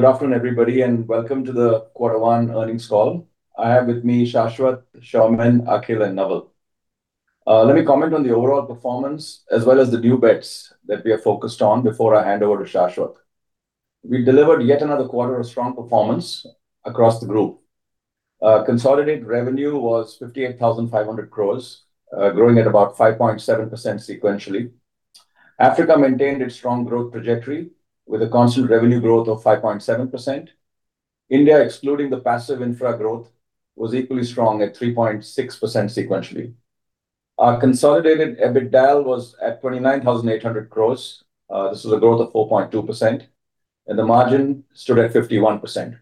Good afternoon, everybody, and welcome to the quarter one earnings call. I have with me Shashwat, Soumen, Akhil, and Naval. Let me comment on the overall performance as well as the new bets that we are focused on before I hand over to Shashwat. We delivered yet another quarter of strong performance across the group. Consolidated revenue was 58,500 crore, growing at about 5.7% sequentially. Africa maintained its strong growth trajectory with a constant revenue growth of 5.7%. India, excluding the passive infra growth, was equally strong at 3.6% sequentially. Our consolidated EBITDA was at 29,800 crore. This was a growth of 4.2%, and the margin stood at 51%.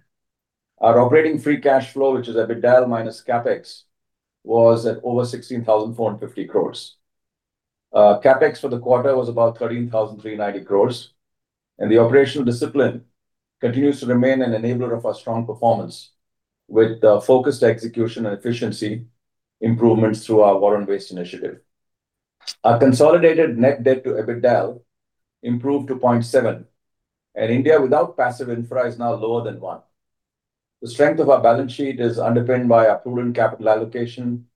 Our operating free cash flow, which is EBITDA minus CapEx, was at over 16,450 crore. CapEx for the quarter was about 13,390 crore. The operational discipline continues to remain an enabler of our strong performance with the focused execution and efficiency improvements through our War on Waste initiative. Our consolidated net debt to EBITDA improved to 0.7x. India without passive infra is now lower than one. The strength of our balance sheet is underpinned by our prudent capital allocation,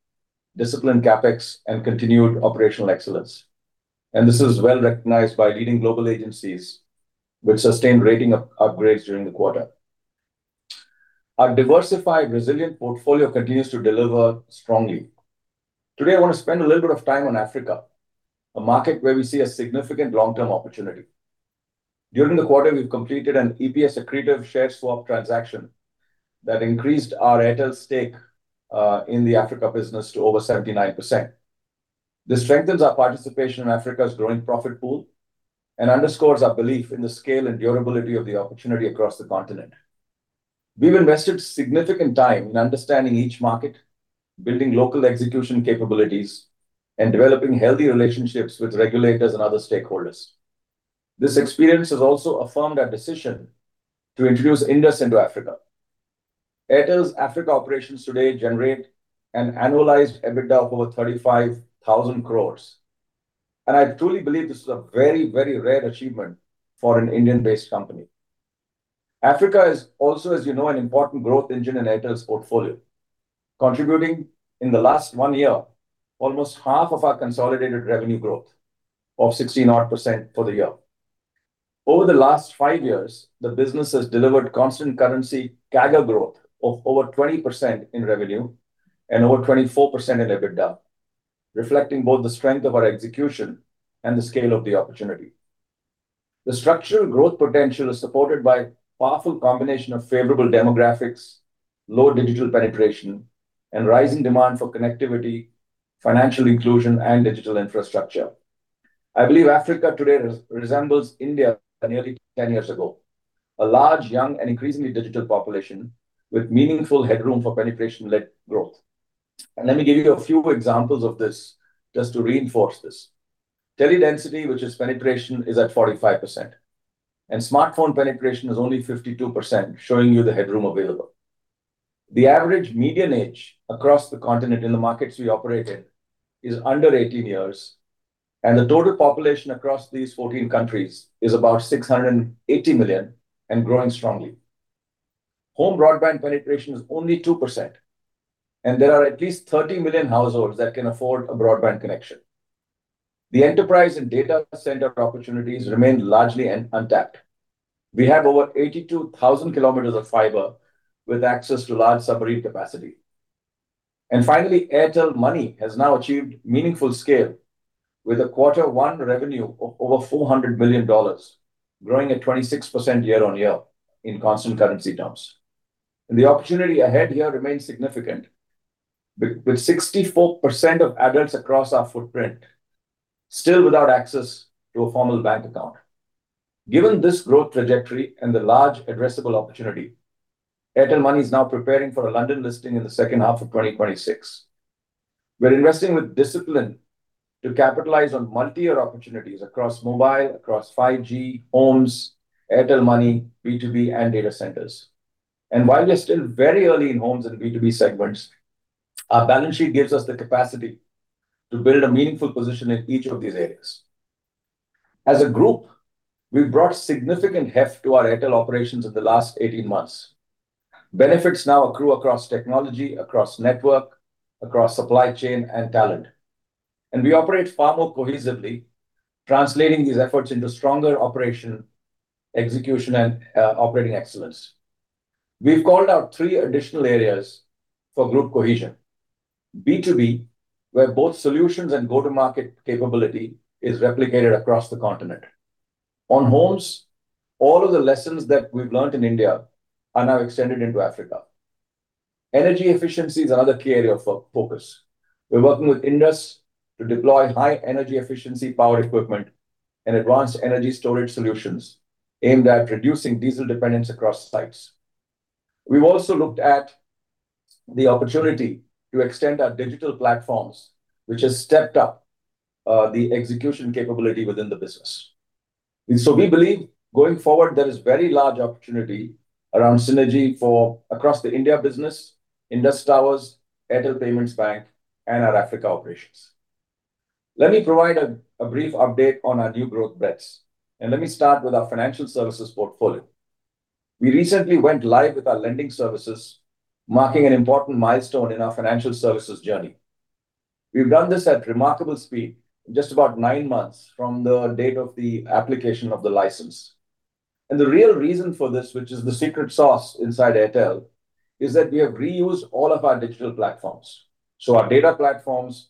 disciplined CapEx, and continued operational excellence. This is well-recognized by leading global agencies with sustained rating upgrades during the quarter. Our diversified, resilient portfolio continues to deliver strongly. Today, I want to spend a little bit of time on Africa, a market where we see a significant long-term opportunity. During the quarter, we've completed an EPS accretive share swap transaction that increased our Airtel stake in the Africa business to over 79%. This strengthens our participation in Africa's growing profit pool and underscores our belief in the scale and durability of the opportunity across the continent. We've invested significant time in understanding each market, building local execution capabilities, and developing healthy relationships with regulators and other stakeholders. This experience has also affirmed our decision to introduce Indus into Africa. Airtel's Africa operations today generate an annualized EBITDA of over 35,000 crore. I truly believe this is a very rare achievement for an Indian-based company. Africa is also, as you know, an important growth engine in Airtel's portfolio, contributing in the last one year almost half of our consolidated revenue growth of 16%-odd for the year. Over the last five years, the business has delivered constant currency CAGR growth of over 20% in revenue and over 24% in EBITDA, reflecting both the strength of our execution and the scale of the opportunity. The structural growth potential is supported by a powerful combination of favorable demographics, low digital penetration, and rising demand for connectivity, financial inclusion, and digital infrastructure. I believe Africa today resembles India nearly 10 years ago. A large, young, and increasingly digital population with meaningful headroom for penetration-led growth. Let me give you a few examples of this just to reinforce this. Tele-density, which is penetration, is at 45%, and smartphone penetration is only 52%, showing you the headroom available. The average median age across the continent in the markets we operate in is under 18 years, and the total population across these 14 countries is about 680 million and growing strongly. Home broadband penetration is only 2%, and there are at least 30 million households that can afford a broadband connection. The enterprise and data center opportunities remain largely untapped. We have over 82,000 km of fiber with access to large submarine capacity. Finally, Airtel Money has now achieved meaningful scale with a quarter one revenue of over $400 million, growing at 26% year-on-year in constant currency terms. The opportunity ahead here remains significant, with 64% of adults across our footprint still without access to a formal bank account. Given this growth trajectory and the large addressable opportunity, Airtel Money is now preparing for a London listing in the second half of 2026. We're investing with discipline to capitalize on multi-year opportunities across mobile, across 5G, homes, Airtel Money, B2B, and data centers. While we're still very early in homes and B2B segments, our balance sheet gives us the capacity to build a meaningful position in each of these areas. As a group, we've brought significant heft to our Airtel operations in the last 18 months. Benefits now accrue across technology, across network, across supply chain and talent. We operate far more cohesively, translating these efforts into stronger operation execution and operating excellence. We've called out three additional areas for group cohesion. B2B, where both solutions and go-to-market capability is replicated across the continent. On homes, all of the lessons that we've learned in India are now extended into Africa. Energy efficiency is another key area of focus. We're working with Indus to deploy high energy efficiency power equipment and advanced energy storage solutions aimed at reducing diesel dependence across sites. We've also looked at the opportunity to extend our digital platforms, which has stepped up the execution capability within the business. We believe going forward, there is very large opportunity around synergy for across the India business, Indus Towers, Airtel Payments Bank, and our Africa operations. Let me provide a brief update on our new growth bets. Let me start with our financial services portfolio. We recently went live with our lending services, marking an important milestone in our financial services journey. We've done this at remarkable speed, just about nine months from the date of the application of the license. The real reason for this, which is the secret sauce inside Airtel, is that we have reused all of our digital platforms. Our data platforms,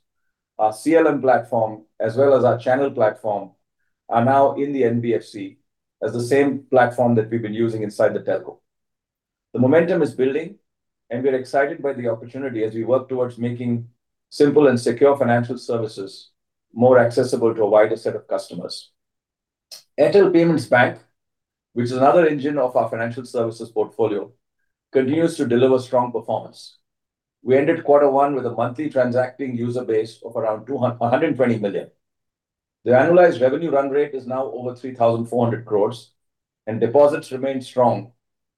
our CLM platform, as well as our channel platform, are now in the NBFC as the same platform that we've been using inside the telco. The momentum is building, and we are excited by the opportunity as we work towards making simple and secure financial services more accessible to a wider set of customers. Airtel Payments Bank, which is another engine of our financial services portfolio, continues to deliver strong performance. We ended quarter one with a monthly transacting user base of around 120 million. The annualized revenue run rate is now over 3,400 crores and deposits remain strong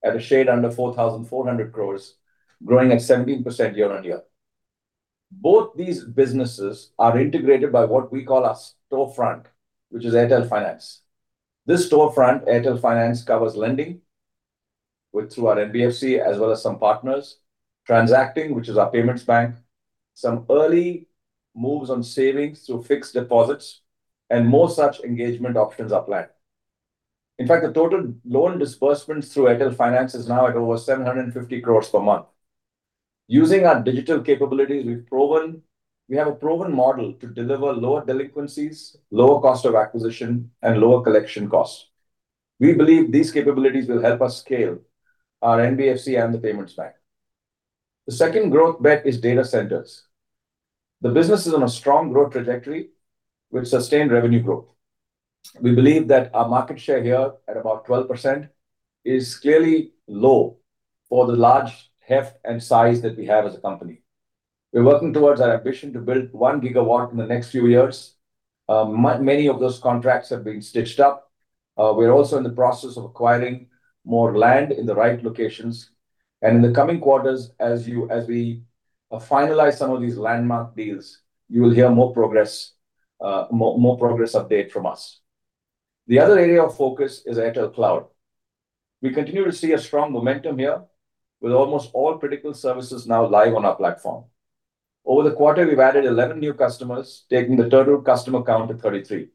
at a shade under 4,400 crores, growing at 17% year-on-year. Both these businesses are integrated by what we call our storefront, which is Airtel Finance. This storefront, Airtel Finance, covers lending with, through our NBFC as well as some partners, transacting, which is our payments bank, some early moves on savings through fixed deposits, and more such engagement options are planned. In fact, the total loan disbursements through Airtel Finance is now at over 750 crore per month. Using our digital capabilities, we have a proven model to deliver lower delinquencies, lower cost of acquisition, and lower collection costs. We believe these capabilities will help us scale our NBFC and the payments bank. The second growth bet is data centers. The business is on a strong growth trajectory with sustained revenue growth. We believe that our market share here, at about 12%, is clearly low for the large heft and size that we have as a company. We are working towards our ambition to build 1 GW in the next few years. Many of those contracts have been stitched up. We are also in the process of acquiring more land in the right locations, and in the coming quarters, as you, as we finalize some of these landmark deals, you will hear more progress update from us. The other area of focus is Airtel Cloud. We continue to see a strong momentum here with almost all critical services now live on our platform. Over the quarter, we have added 11 new customers, taking the total customer count to 33.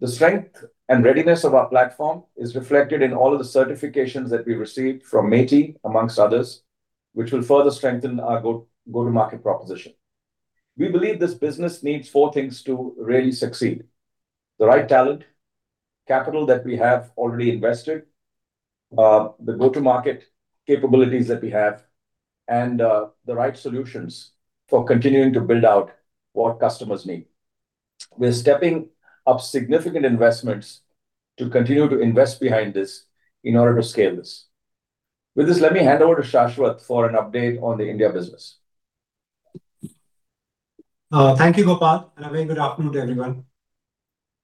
The strength and readiness of our platform is reflected in all of the certifications that we received from MeitY, amongst others, which will further strengthen our go-to-market proposition. We believe this business needs four things to really succeed: the right talent, capital that we have already invested, the go-to-market capabilities that we have, and the right solutions for continuing to build out what customers need. We are stepping up significant investments to continue to invest behind this in order to scale this. With this, let me hand over to Shashwat for an update on the India business. Thank you, Gopal, and a very good afternoon to everyone.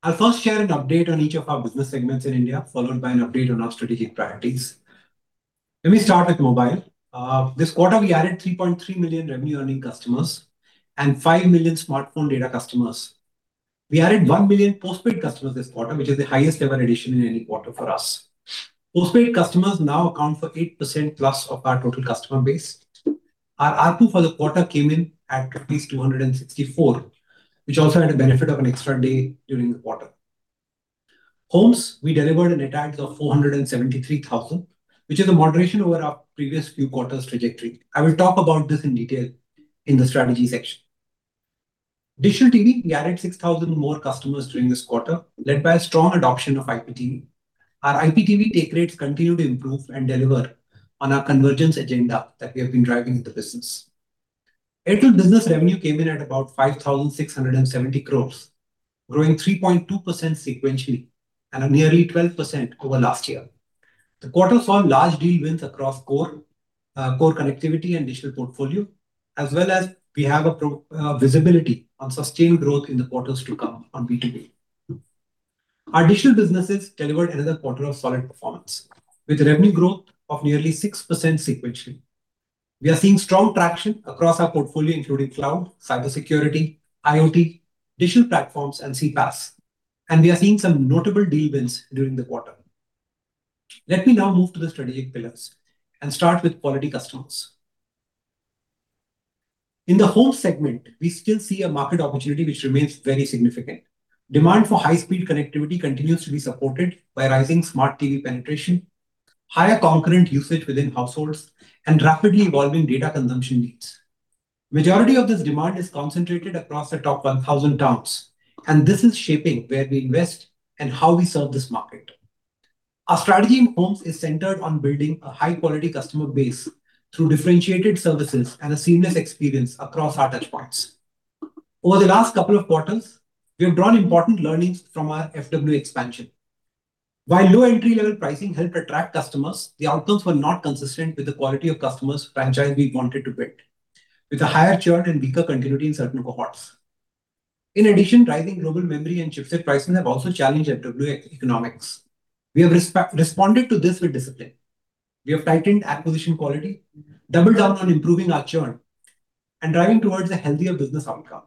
I will first share an update on each of our business segments in India, followed by an update on our strategic priorities. Let me start with mobile. This quarter we added 3.3 million revenue-earning customers and 5 million smartphone data customers. We added 1 million postpaid customers this quarter, which is the highest ever addition in any quarter for us. Postpaid customers now account for 8%+ of our total customer base. Our ARPU for the quarter came in at 264, which also had a benefit of an extra day during the quarter. Homes, we delivered net adds of 473,000, which is a moderation over our previous few quarters trajectory. I will talk about this in detail in the strategy section. Digital TV, we added 6,000 more customers during this quarter, led by a strong adoption of IPTV. Our IPTV take rates continue to improve and deliver on our convergence agenda that we have been driving with the business. Airtel Business revenue came in at about 5,670 crore, growing 3.2% sequentially and nearly 12% over last year. The quarter saw large deal wins across core connectivity and digital portfolio, as well as we have visibility on sustained growth in the quarters to come on B2B. Our digital businesses delivered another quarter of solid performance, with revenue growth of nearly 6% sequentially. We are seeing strong traction across our portfolio, including cloud, cybersecurity, IoT, digital platforms, and CPaaS, and we are seeing some notable deal wins during the quarter. Let me now move to the strategic pillars and start with quality customers. In the home segment, we still see a market opportunity which remains very significant. Demand for high-speed connectivity continues to be supported by rising smart TV penetration, higher concurrent usage within households, and rapidly evolving data consumption needs. Majority of this demand is concentrated across the top 1,000 towns. This is shaping where we invest and how we serve this market. Our strategy in homes is centered on building a high-quality customer base through differentiated services and a seamless experience across our touchpoints. Over the last couple of quarters, we have drawn important learnings from our FWA expansion. While low entry-level pricing helped attract customers, the outcomes were not consistent with the quality of customers franchise we wanted to build, with a higher churn and weaker continuity in certain cohorts. In addition, rising global memory and chipset pricing have also challenged FWA economics. We have responded to this with discipline. We have tightened acquisition quality, doubled down on improving our churn, and driving towards a healthier business outcome.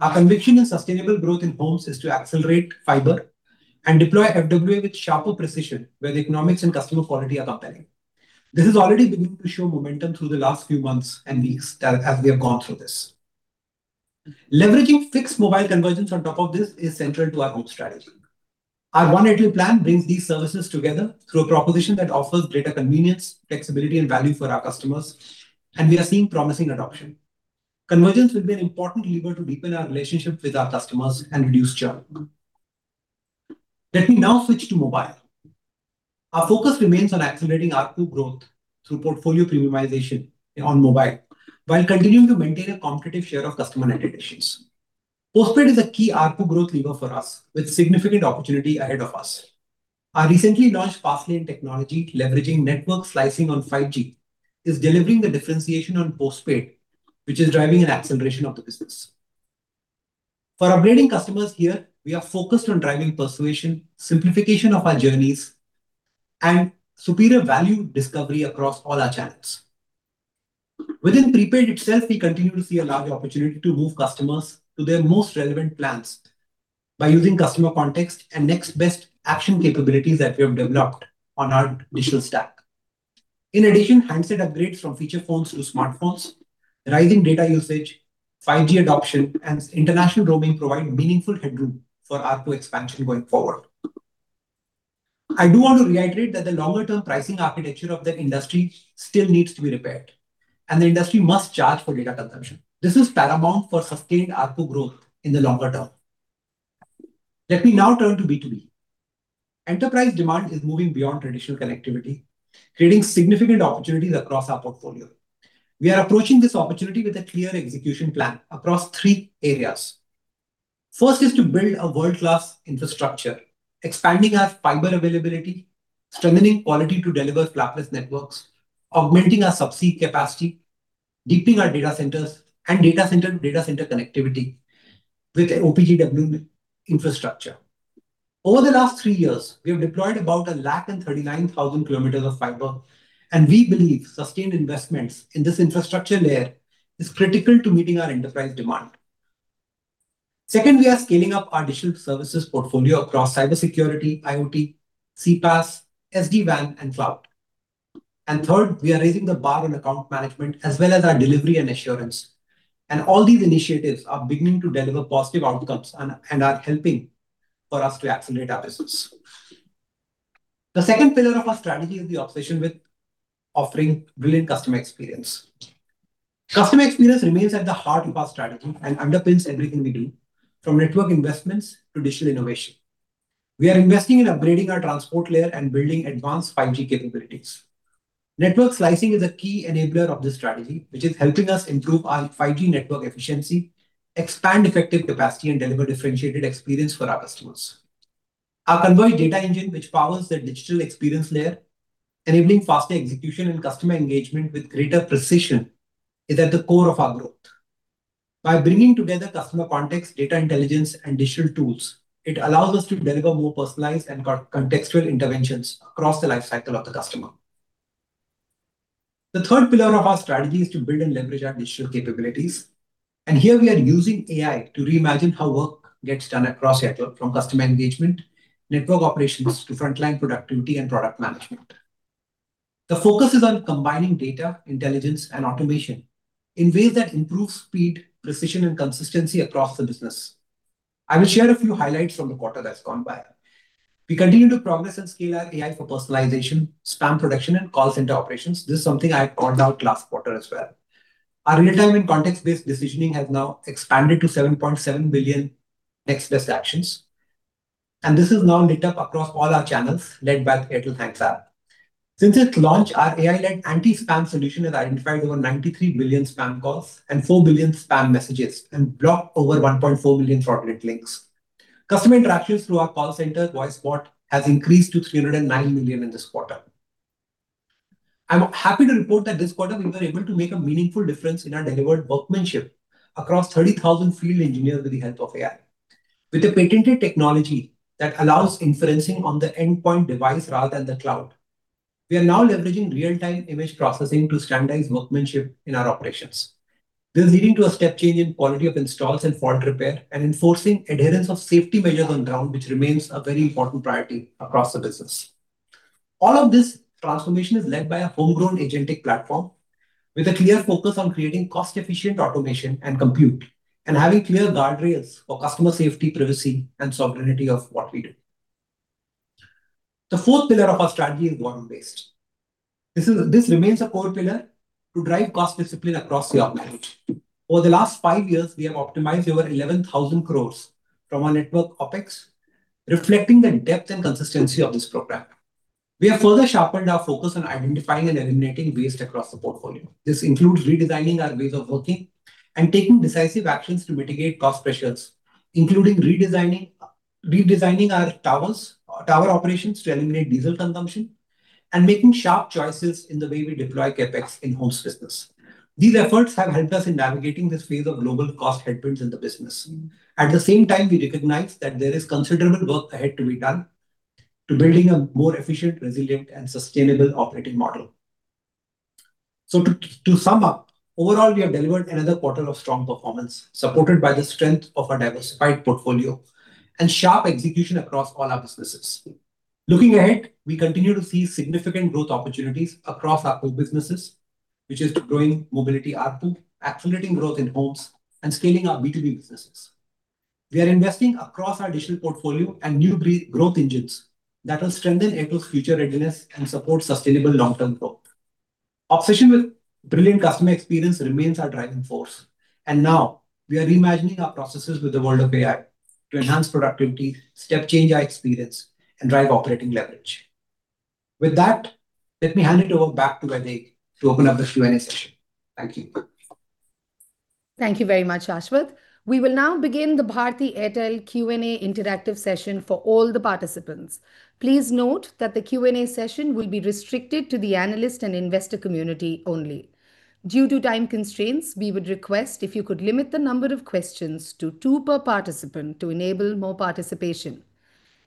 Our conviction in sustainable growth in homes is to accelerate fiber and deploy FWA with sharper precision where the economics and customer quality are compelling. This has already begun to show momentum through the last few months and weeks as we have gone through this. Leveraging fixed mobile convergence on top of this is central to our home strategy. Our One Airtel plan brings these services together through a proposition that offers greater convenience, flexibility, and value for our customers. We are seeing promising adoption. Convergence will be an important lever to deepen our relationship with our customers and reduce churn. Let me now switch to mobile. Our focus remains on accelerating ARPU growth through portfolio premiumization on mobile while continuing to maintain a competitive share of customer net adds. Postpaid is a key ARPU growth lever for us with significant opportunity ahead of us. Our recently launched Fast Lane technology, leveraging network slicing on 5G, is delivering the differentiation on postpaid, which is driving an acceleration of the business. For upgrading customers here, we are focused on driving persuasion, simplification of our journeys, and superior value discovery across all our channels. Within prepaid itself, we continue to see a large opportunity to move customers to their most relevant plans by using customer context and next best action capabilities that we have developed on our digital stack. In addition, handset upgrades from feature phones to smartphones, rising data usage, 5G adoption, and international roaming provide meaningful headroom for ARPU expansion going forward. I do want to reiterate that the longer-term pricing architecture of the industry still needs to be repaired. The industry must charge for data consumption. This is paramount for sustained ARPU growth in the longer term. Let me now turn to B2B. Enterprise demand is moving beyond traditional connectivity, creating significant opportunities across our portfolio. We are approaching this opportunity with a clear execution plan across three areas. First is to build a world-class infrastructure, expanding our fiber availability, strengthening quality to deliver flawless networks, augmenting our subsea capacity, deepening our data centers, and data center to data center connectivity with an OPGW infrastructure. Over the last three years, we have deployed about 139,000 km of fiber, and we believe sustained investments in this infrastructure layer is critical to meeting our enterprise demand. Second, we are scaling up our digital services portfolio across cybersecurity, IoT, CPaaS, SD-WAN, and cloud. Third, we are raising the bar on account management as well as our delivery and assurance. All these initiatives are beginning to deliver positive outcomes and are helping for us to accelerate our business. The second pillar of our strategy is the obsession with offering brilliant customer experience. Customer experience remains at the heart of our strategy and underpins everything we do, from network investments to digital innovation. We are investing in upgrading our transport layer and building advanced 5G capabilities. Network slicing is a key enabler of this strategy, which is helping us improve our 5G network efficiency, expand effective capacity, and deliver differentiated experience for our customers. Our Converged Data Engine, which powers the digital experience layer, enabling faster execution and customer engagement with greater precision, is at the core of our growth. By bringing together customer context, data intelligence, and digital tools, it allows us to deliver more personalized and contextual interventions across the life cycle of the customer. The third pillar of our strategy is to build and leverage our digital capabilities, and here we are using AI to reimagine how work gets done across Airtel, from customer engagement, network operations, to frontline productivity and product management. The focus is on combining data, intelligence, and automation in ways that improve speed, precision, and consistency across the business. I will share a few highlights from the quarter that's gone by. We continue to progress and scale our AI for personalization, spam protection, and call center operations. This is something I called out last quarter as well. Our real-time and context-based decisioning has now expanded to 7.7 billion next best actions, and this is now lit up across all our channels led by the Airtel Thanks app. Since its launch, our AI-led anti-spam solution has identified over 93 billion spam calls and 4 billion spam messages and blocked over 1.4 billion fraudulent links. Customer interactions through our call center voice bot has increased to 309 million in this quarter. I'm happy to report that this quarter we were able to make a meaningful difference in our delivered workmanship across 30,000 field engineers with the help of AI. With a patented technology that allows inferencing on the endpoint device rather than the cloud, we are now leveraging real-time image processing to standardize workmanship in our operations. This is leading to a step change in quality of installs and fault repair and enforcing adherence of safety measures on ground, which remains a very important priority across the business. All of this transformation is led by a homegrown agentic platform with a clear focus on creating cost-efficient automation and compute and having clear guardrails for customer safety, privacy, and sovereignty of what we do. The fourth pillar of our strategy is volume-based. This remains a core pillar to drive cost discipline across the operation. Over the last five years, we have optimized over 11,000 crore from our network OpEx, reflecting the depth and consistency of this program. We have further sharpened our focus on identifying and eliminating waste across the portfolio. This includes redesigning our ways of working and taking decisive actions to mitigate cost pressures, including redesigning our tower operations to eliminate diesel consumption and making sharp choices in the way we deploy CapEx in homes business. These efforts have helped us in navigating this phase of global cost headwinds in the business. At the same time, we recognize that there is considerable work ahead to be done to building a more efficient, resilient, and sustainable operating model. To sum up, overall, we have delivered another quarter of strong performance, supported by the strength of our diversified portfolio and sharp execution across all our businesses. Looking ahead, we continue to see significant growth opportunities across our pool businesses, which is the growing mobility ARPU, accelerating growth in homes, and scaling our B2B businesses. We are investing across our digital portfolio and new growth engines that will strengthen Airtel's future readiness and support sustainable long-term growth. Obsession with brilliant customer experience remains our driving force, and now we are reimagining our processes with the world of AI to enhance productivity, step change our experience, and drive operating leverage. With that, let me hand it over back to Vaidehi to open up the Q and A session. Thank you. Thank you very much, Shashwat. We will now begin the Bharti Airtel Q and A interactive session for all the participants. Please note that the Q and A session will be restricted to the analyst and investor community only. Due to time constraints, we would request if you could limit the number of questions to two per participant to enable more participation.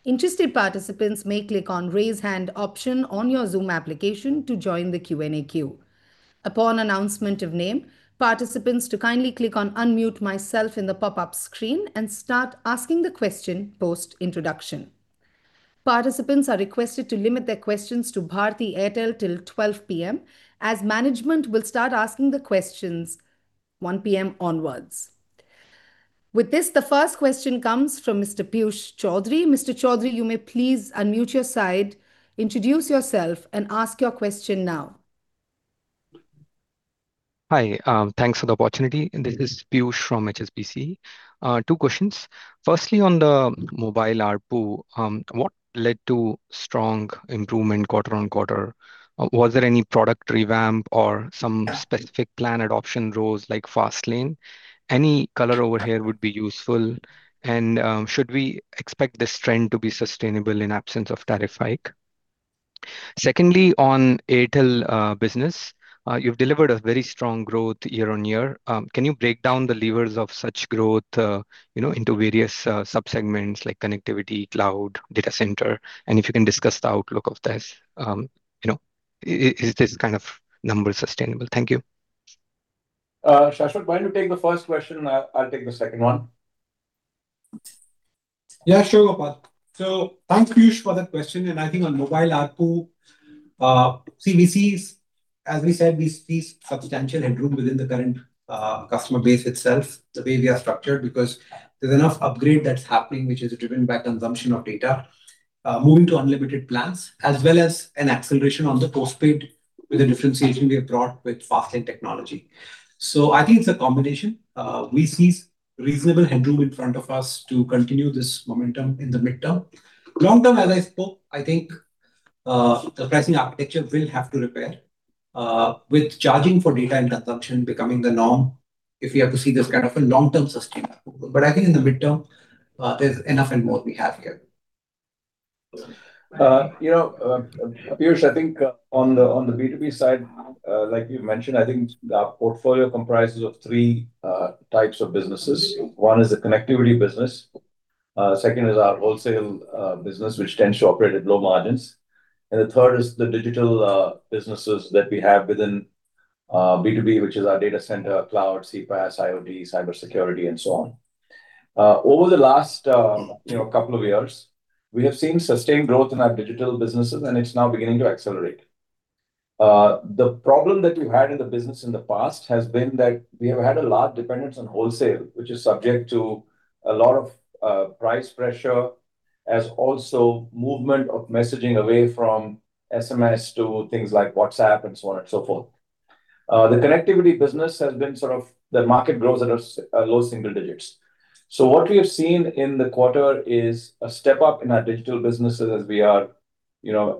Interested participants may click on Raise Hand option on your Zoom application to join the Q and A queue. Upon announcement of name, participants to kindly click on Unmute Myself in the pop-up screen and start asking the question post-introduction. Participants are requested to limit their questions to Bharti Airtel till 12:00 P.M., as management will start asking the questions 1:00 P.M. onwards. With this, the first question comes from Mr. Piyush Choudhary. Mr. Choudhary, you may please unmute your side, introduce yourself and ask your question now. Hi. Thanks for the opportunity. This is Piyush from HSBC. Two questions. Firstly, on the mobile ARPU, what led to strong improvement quarter-on-quarter? Was there any product revamp or some specific plan adoption roles like Fast Lane? Any color over here would be useful, and should we expect this trend to be sustainable in absence of tariff hike? Secondly, on Airtel Business, you've delivered a very strong growth year-on-year. Can you break down the levers of such growth into various sub-segments like connectivity, cloud, data center? If you can discuss the outlook of this. Is this kind of number sustainable? Thank you. Shashwat, why don't you take the first question? I'll take the second one. Yeah, sure, Gopal. Thanks, Piyush, for that question. I think on mobile ARPU, we see, as we said, we see substantial headroom within the current customer base itself, the way we are structured because there's enough upgrade that's happening, which is driven by consumption of data, moving to unlimited plans, as well as an acceleration on the postpaid with the differentiation we have brought with Fast Lane technology. I think it's a combination. We see reasonable headroom in front of us to continue this momentum in the midterm. Long term, as I spoke, I think the pricing architecture will have to repair with charging for data and consumption becoming the norm if we have to see this kind of a long-term sustainable. But I think in the midterm, there's enough and more we have here. Piyush, I think on the B2B side, like you mentioned, I think our portfolio comprises of three types of businesses. One is the connectivity business, second is our wholesale business, which tends to operate at low margins, and the third is the digital businesses that we have within B2B, which is our data center, cloud, CPaaS, IoT, cybersecurity, and so on. Over the last couple of years, we have seen sustained growth in our digital businesses, and it's now beginning to accelerate. The problem that we've had in the business in the past has been that we have had a large dependence on wholesale, which is subject to a lot of price pressure, as also movement of messaging away from SMS to things like WhatsApp and so on and so forth. The connectivity business has been sort of the market grows at a low single digits. What we have seen in the quarter is a step-up in our digital businesses as we are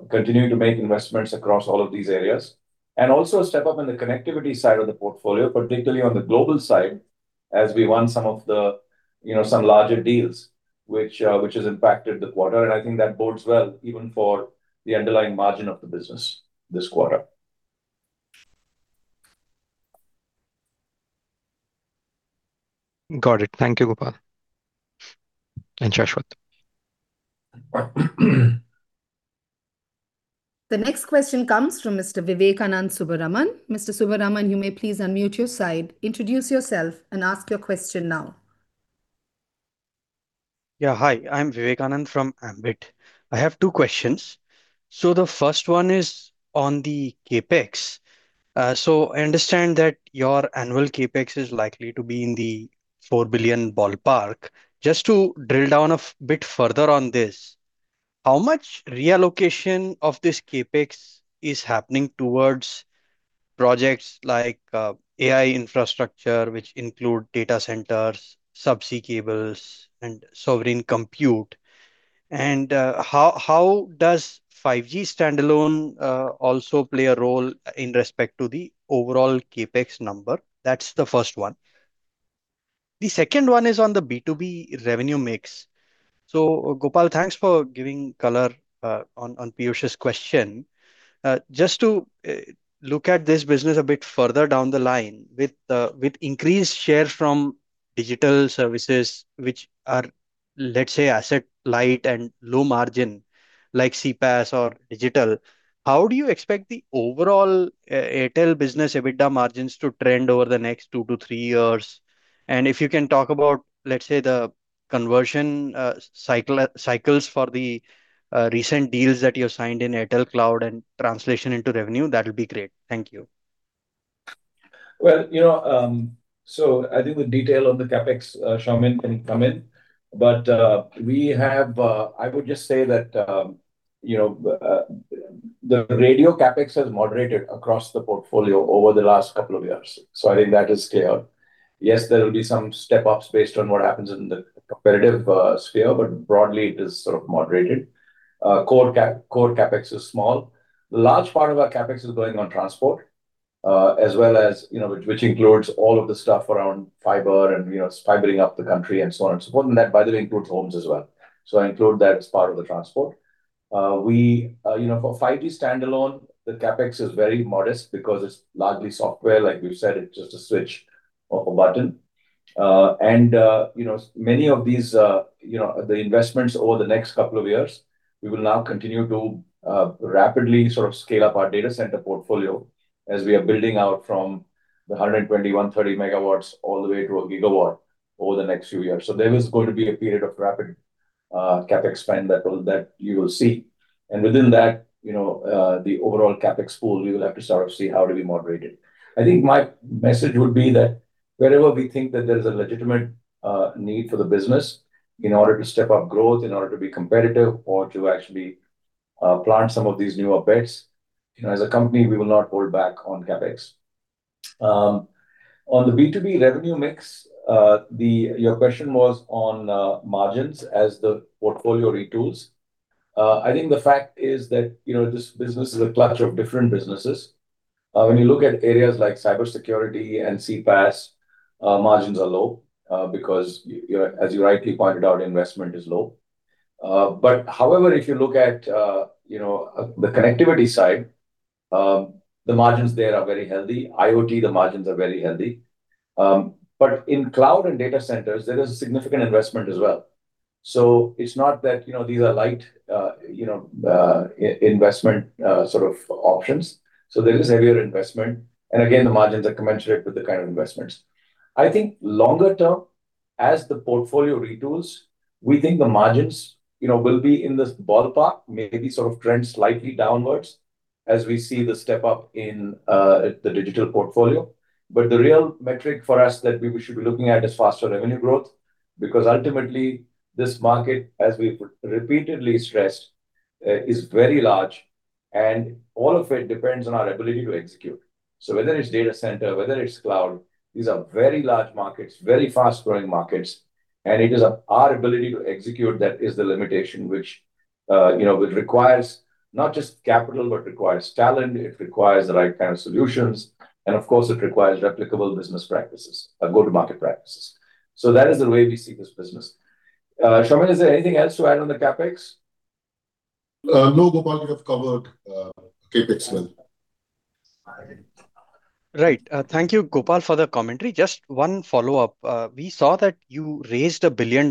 continuing to make investments across all of these areas. Also a step up in the connectivity side of the portfolio, particularly on the global side as we won some larger deals, which has impacted the quarter. I think that bodes well even for the underlying margin of the business this quarter. Got it. Thank you, Gopal and Shashwat. The next question comes from Mr. Vivekanand Subbaraman. Mr. Subbaraman, you may please unmute your side, introduce yourself, and ask your question now. Hi, I'm Vivekanand from Ambit. I have two questions. The first one is on the CapEx. I understand that your annual CapEx is likely to be in the 4 billion ballpark. Just to drill down a bit further on this, how much reallocation of this CapEx is happening towards projects like AI infrastructure, which include data centers, subsea cables, and sovereign compute? How does 5G standalone also play a role in respect to the overall CapEx number? That's the first one. The second one is on the B2B revenue mix. Gopal, thanks for giving color on Piyush's question. Just to look at this business a bit further down the line, with increased share from digital services which are, let's say asset-light and low margin, like CPaaS or digital. How do you expect the overall Airtel Business EBITDA margins to trend over the next two to three years? If you can talk about, let's say, the conversion cycles for the recent deals that you have signed in Airtel Cloud and translation into revenue, that'll be great. Thank you. I think the detail on the CapEx, Soumen can come in. I would just say that the radio CapEx has moderated across the portfolio over the last couple of years. I think that is clear. Yes, there will be some step-ups based on what happens in the competitive sphere, but broadly it is sort of moderated. Core CapEx is small. Large part of our CapEx is going on transport, which includes all of the stuff around fiber and fibering up the country and so on and so forth. That, by the way, includes homes as well. I include that as part of the transport. For 5G standalone, the CapEx is very modest because it is largely software. Like we've said, it is just a switch of a button. Many of the investments over the next couple of years, we will now continue to rapidly scale up our data center portfolio as we are building out from the 120, 130 MW all the way to a gigawatt over the next few years. There is going to be a period of rapid CapEx spend that you will see. Within that, the overall CapEx pool, we will have to sort of see how do we moderate it. I think my message would be that wherever we think that there is a legitimate need for the business in order to step up growth, in order to be competitive or to actually plant some of these newer bets, as a company, we will not hold back on CapEx. On the B2B revenue mix, your question was on margins as the portfolio retools. I think the fact is that this business is a clutch of different businesses. When you look at areas like cybersecurity and CPaaS, margins are low, because as you rightly pointed out, investment is low. However, if you look at the connectivity side, the margins there are very healthy. IoT, the margins are very healthy. In cloud and data centers, there is a significant investment as well. It is not that these are light investment options. There is heavier investment. Again, the margins are commensurate with the kind of investments. I think longer term, as the portfolio retools, we think the margins will be in this ballpark, maybe sort of trend slightly downwards as we see the step up in the digital portfolio. The real metric for us that we should be looking at is faster revenue growth, because ultimately, this market, as we've repeatedly stressed, is very large, and all of it depends on our ability to execute. Whether it's data center, whether it's cloud, these are very large markets, very fast-growing markets, and it is our ability to execute that is the limitation, which requires not just capital, but requires talent, it requires the right kind of solutions, and of course, it requires replicable business practices or go-to-market practices. That is the way we see this business. Soumen, is there anything else to add on the CapEx? No, Gopal, you have covered CapEx well. Right. Thank you, Gopal, for the commentary. Just one follow-up. We saw that you raised $1 billion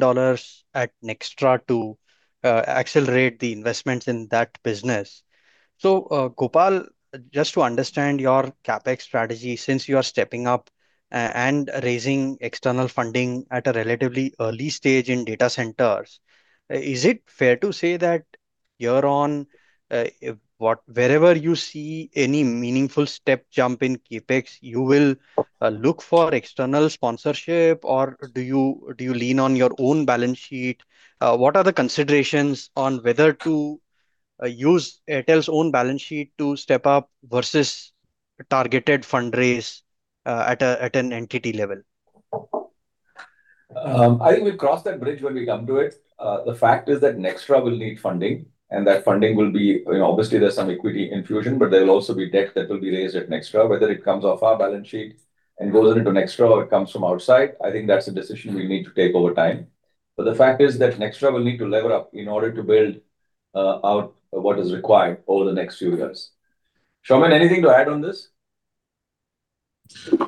at Nxtra to accelerate the investments in that business. Gopal, just to understand your CapEx strategy, since you are stepping up and raising external funding at a relatively early stage in data centers, is it fair to say that you're on wherever you see any meaningful step jump in CapEx, you will look for external sponsorship, or do you lean on your own balance sheet? What are the considerations on whether to use Airtel's own balance sheet to step up versus targeted fundraise at an entity level? I think we'll cross that bridge when we come to it. The fact is that Nxtra will need funding, and that funding will be, obviously, there's some equity infusion, but there'll also be debt that will be raised at Nxtra. Whether it comes off our balance sheet and goes into Nxtra or it comes from outside, I think that's a decision we need to take over time. The fact is that Nxtra will need to lever up in order to build out what is required over the next few years. Soumen, anything to add on this?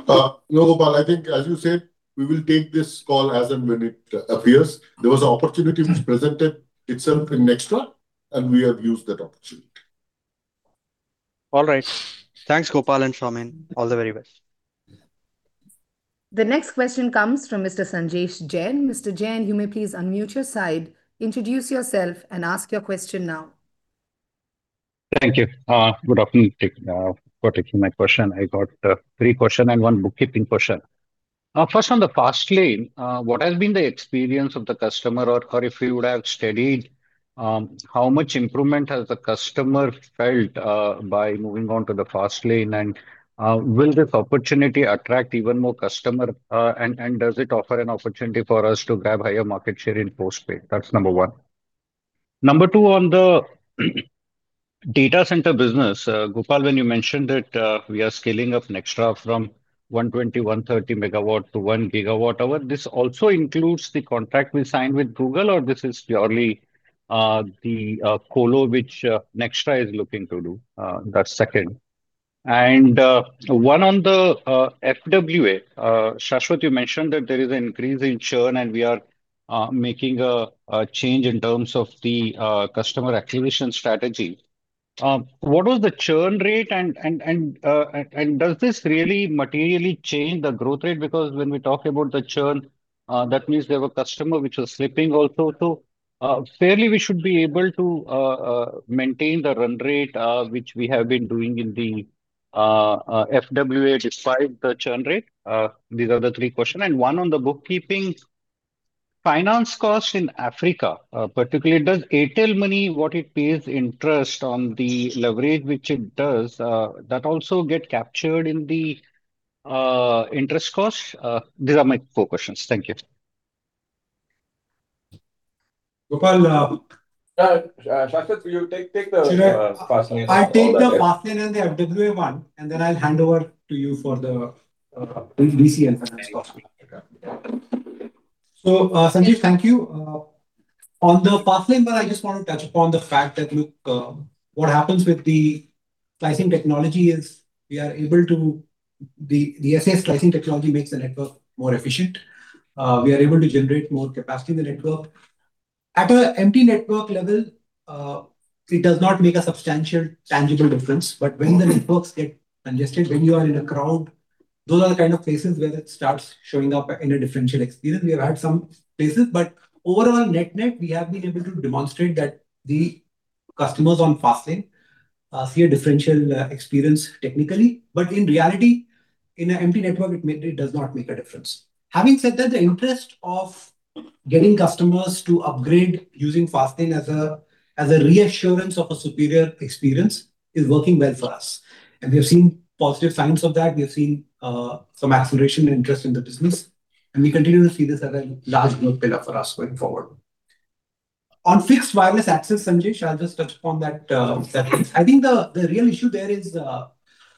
No, Gopal. I think as you said, we will take this call as and when it appears. There was an opportunity which presented itself in Nxtra, and we have used that opportunity. All right. Thanks, Gopal and Soumen. All the very best. The next question comes from Mr. Sanjesh Jain. Mr. Jain, you may please unmute your side, introduce yourself and ask your question now. Thank you. Good afternoon. Thank you for taking my question. I got three questions and one bookkeeping question. First, on the Fast Lane, what has been the experience of the customer, or if you would have studied, how much improvement has the customer felt by moving on to the Fast Lane? Will this opportunity attract even more customer, and does it offer an opportunity for us to grab higher market share in post-pay? That's number one. Number two, on the data center business, Gopal, when you mentioned that we are scaling up Nxtra from 120, 130 MW to 1 GWh, this also includes the contract we signed with Google, or this is purely the colo which Nxtra is looking to do? That's second. One on the FWA. Shashwat, you mentioned that there is an increase in churn and we are making a change in terms of the customer acquisition strategy. What was the churn rate and does this really materially change the growth rate? When we talk about the churn, that means there were customers which were slipping also. Fairly, we should be able to maintain the run rate, which we have been doing in the FWA despite the churn rate. These are the three questions. One on the bookkeeping. Finance cost in Africa, particularly, does Airtel Money what it pays interest on the leverage which it does, that also get captured in the interest cost? These are my four questions. Thank you. Gopal. Shashwat, will you take the Fast Lane? I'll take the Fast Lane and the FWA one, and then I'll hand over to you for the VC and finance cost. Sanjesh, thank you. On the Fast Lane part, I just want to touch upon the fact that, look, what happens with the slicing technology is we are able to. SA slicing technology makes the network more efficient. We are able to generate more capacity in the network. At an empty network level, it does not make a substantial tangible difference. When the networks get congested, when you are in a crowd, those are the kind of places where it starts showing up in a differential experience. We have had some places, overall, net-net, we have been able to demonstrate that the customers on Fast Lane see a differential experience technically. In reality, in an empty network, it mainly does not make a difference. Having said that, the interest of getting customers to upgrade using Fast Lane as a reassurance of a superior experience is working well for us, and we have seen positive signs of that. We have seen some acceleration and interest in the business, and we continue to see this as a large growth pillar for us going forward. On Fixed Wireless Access, Sanjesh, I'll just touch upon that piece. I think the real issue there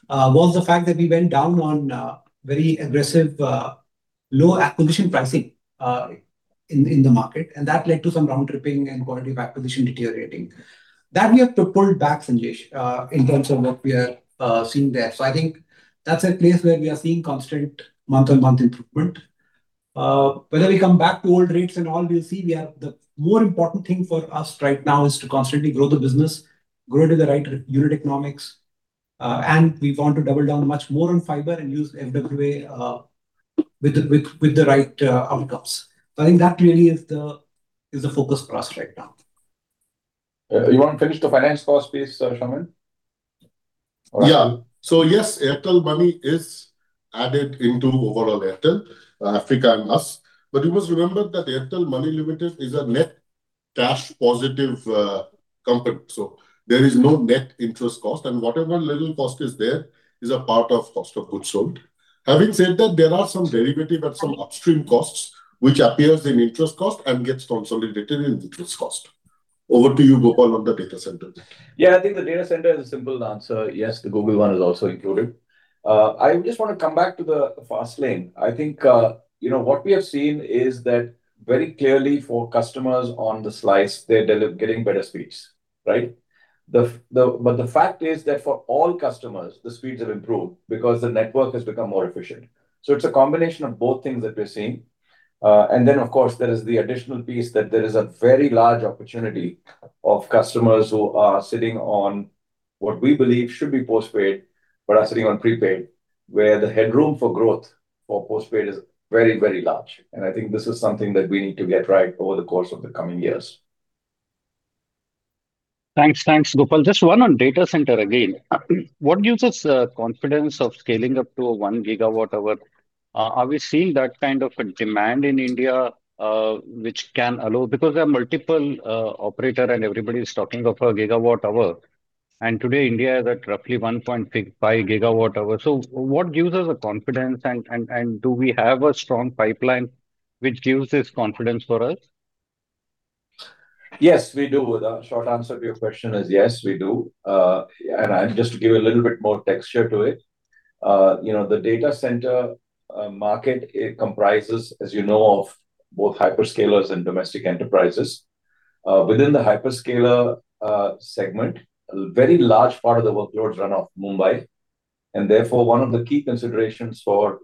was the fact that we went down on very aggressive, low acquisition pricing in the market, and that led to some round tripping and quality of acquisition deteriorating. That we have to pull back, Sanjesh, in terms of what we are seeing there. I think that's a place where we are seeing constant month-on-month improvement. Whether we come back to old rates and all, we'll see. The more important thing for us right now is to constantly grow the business, grow to the right unit economics, and we want to double down much more on fiber and use FWA with the right outcomes. I think that really is the focus for us right now. You want to finish the finance cost piece, Soumen? Yes, Airtel Money is added into overall Airtel Africa and us. You must remember that Airtel Money Limited is a net cash positive company, so there is no net interest cost and whatever little cost is there is a part of cost of goods sold. Having said that, there are some derivative and some upstream costs which appears in interest cost and gets consolidated in the interest cost. Over to you, Gopal, on the data center. I think the data center is a simple answer. Yes, the Google one is also included. I just want to come back to the Fast Lane. I think what we have seen is that very clearly for customers on the slice, they're getting better speeds, right? The fact is that for all customers, the speeds have improved because the network has become more efficient. It's a combination of both things that we're seeing. Then, of course, there is the additional piece that there is a very large opportunity of customers who are sitting on what we believe should be postpaid, but are sitting on prepaid, where the headroom for growth for postpaid is very large. I think this is something that we need to get right over the course of the coming years. Thanks. Gopal, just one on data center again. What gives us confidence of scaling up to 1 GW? Are we seeing that kind of a demand in India, which can allow? Because there are multiple operator and everybody is talking of a gigawatt, and today India is at roughly 1.5 GW. What gives us the confidence, and do we have a strong pipeline which gives this confidence for us? Yes, we do. The short answer to your question is yes, we do. Just to give a little bit more texture to it, the data center market comprises, as you know, of both hyperscalers and domestic enterprises. Within the hyperscaler segment, a very large part of the workloads run off Mumbai and therefore one of the key considerations for